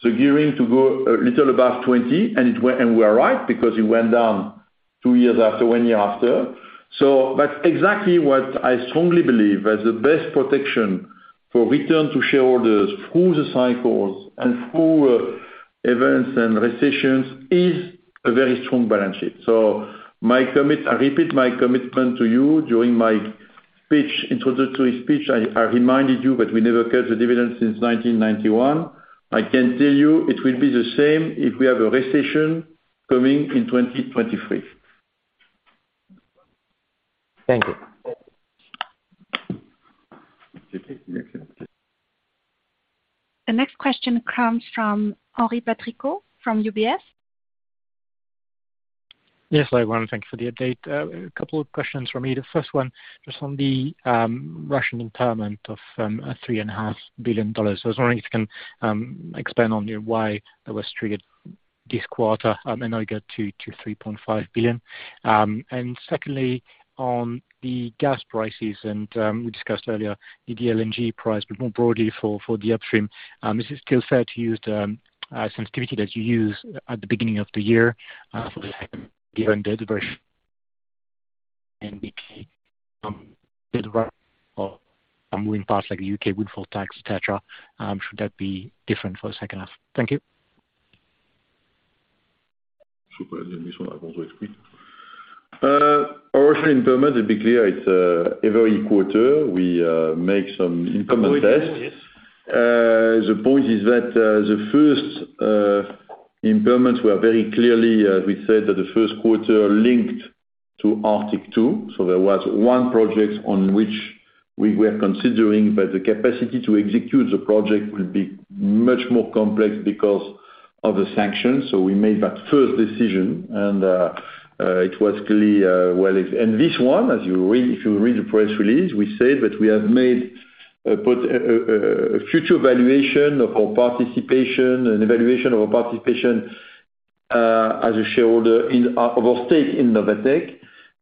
the gearing to go a little above 20%. We are right, because it went down two years after, one year after. That's exactly what I strongly believe as the best protection for return to shareholders through the cycles and through events and recessions, is a very strong balance sheet. I repeat my commitment to you during my introductory speech. I reminded you that we never cut the dividend since 1991. I can tell you it will be the same if we have a recession coming in 2023. Thank you. The next question comes from Henri Patricot from UBS. Yes, everyone, thank you for the update. A couple of questions from me. The first one, just on the Russian impairment of $3.5 billion. I was wondering if you can expand on why that was triggered this quarter, and now you've got to $3.5 billion. And secondly, on the gas prices, we discussed earlier the LNG price, but more broadly for the upstream, is it still fair to use the sensitivity that you used at the beginning of the year, given the diversions and other moving parts like the U.K. windfall tax, etc., should that be different for the second half? Thank you. Russian impairment, let's be clear, it's every quarter we make some impairment The point is that the first impairments were very clearly, as we said, that the first quarter linked Arctic 2. There was one project on which we are considering, but the capacity to execute the project will be much more complex because of the sanctions. We made that first decision and it was clear. This one, as you read, if you read the press release, we said that we have made a future valuation of our participation and evaluation of our participation as a shareholder of our stake in Novatek.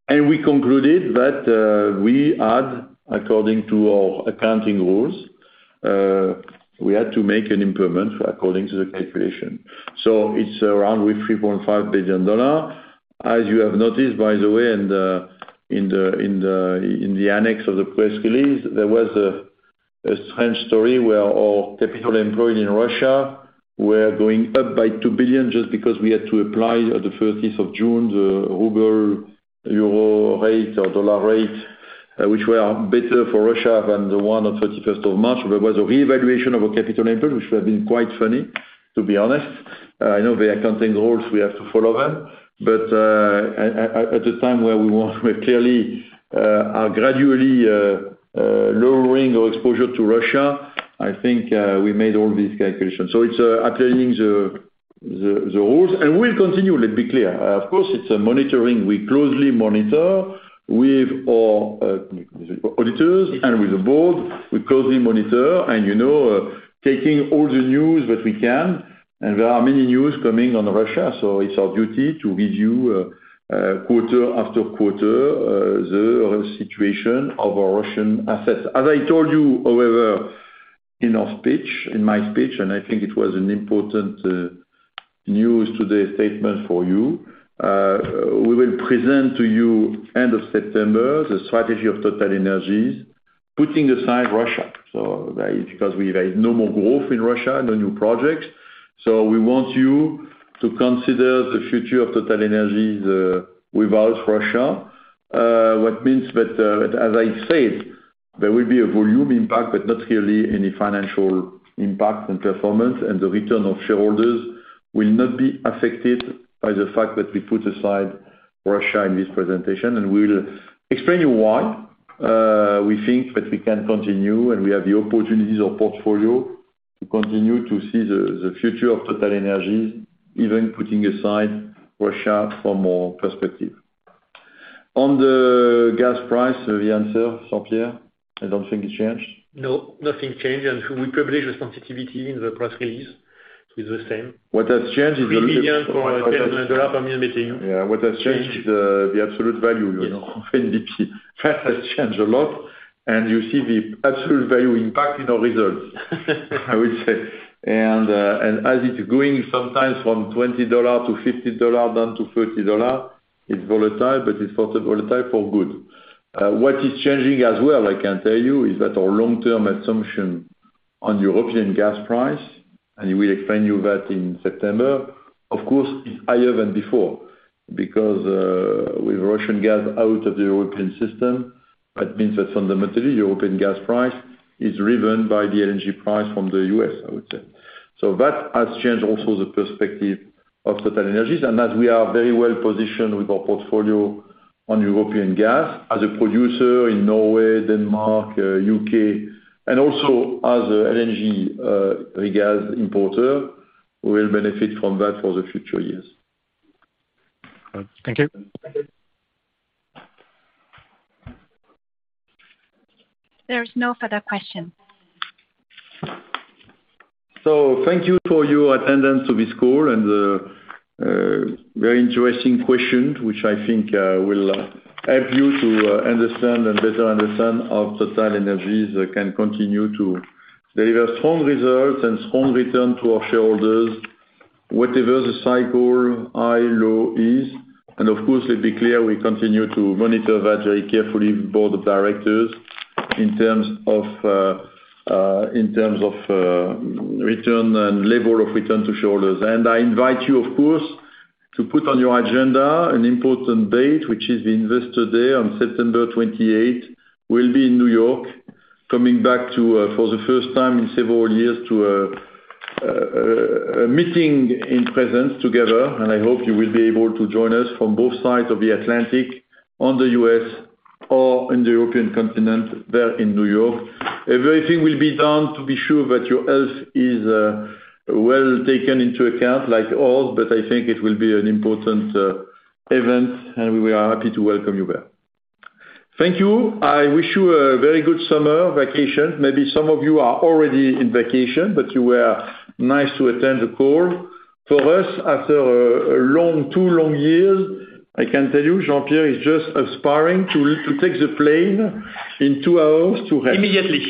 We concluded that we had, according to our accounting rules, we had to make an impairment according to the calculation. It's around $3.5 billion. As you have noticed, by the way, in the annex of the press release, there was a strange story where our capital employed in Russia was going up by $2 billion just because we had to apply at the 30th of June the ruble-euro rate or dollar rate, which was better for Russia than the one on 31st of March. There was a reevaluation of our capital employed, which has been quite funny, to be honest. I know the accounting rules, we have to follow them. At the time where we are gradually lowering our exposure to Russia, I think, we made all these calculations. It's applying the rules. We'll continue, let's be clear. Of course, it's a monitoring. We closely monitor with our auditors and with the board. We closely monitor and, you know, taking all the news that we can. There are many news coming on Russia, so it's our duty to give you quarter after quarter the situation of our Russian assets. As I told you, however, in my speech, and I think it was an important news to the statement for you, we will present to you end of September the strategy of TotalEnergies, putting aside Russia. That is because we have no more growth in Russia, no new projects. We want you to consider the future of TotalEnergies without Russia. What means that, as I said, there will be a volume impact, but not really any financial impact on performance. The return of shareholders will not be affected by the fact that we put aside Russia in this presentation. We'll explain to you why we think that we can continue, and we have the opportunities of portfolio to continue to see the future of TotalEnergies, even putting aside Russia from our perspective. On the gas price, the answer, Jean-Pierre, I don't think it changed. No, nothing changed. We published the sensitivity in the press release with the same. What has changed is 3 billion for Yeah. What has changed is the absolute value, you know. In the price has changed a lot, and you see the absolute value impact in our results, I would say. As it's going sometimes from $20-$50, down to $30, it's volatile, but it's volatile for good. What is changing as well, I can tell you, is that our long-term assumption on European gas price, and we will explain to you that in September, of course, is higher than before. With Russian gas out of the European system, that means that fundamentally European gas price is driven by the LNG price from the U.S., I would say. That has changed also the perspective of TotalEnergies. As we are very well positioned with our portfolio on European gas as a producer in Norway, Denmark, U.K., and also as a LNG regas importer, we will benefit from that for the future years. Thank you. There is no further question. Thank you for your attendance to this call and very interesting questions, which I think will help you to understand and better understand how TotalEnergies can continue to deliver strong results and strong return to our shareholders, whatever the cycle high, low is. Of course, let's be clear, we continue to monitor very carefully board of directors in terms of return and level of return to shareholders. I invite you, of course, to put on your agenda an important date, which is Investor Day on September 28. We'll be in New York, coming back for the first time in several years to a meeting in person together. I hope you will be able to join us from both sides of the Atlantic, on the U.S. or in the European continent there in New York. Everything will be done to be sure that your health is well taken into account, like always. I think it will be an important event, and we are happy to welcome you there. Thank you. I wish you a very good summer vacation. Maybe some of you are already in vacation, but you were nice to attend the call. For us, after a long, two long years, I can tell you, Jean-Pierre Sbraire is just aspiring to take the plane in two hours to head. Immediately.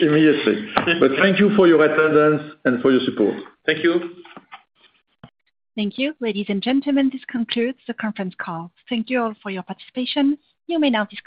Thank you for your attendance and for your support. Thank you. Thank you. Ladies and gentlemen, this concludes the conference call. Thank you all for your participation. You may now disconnect.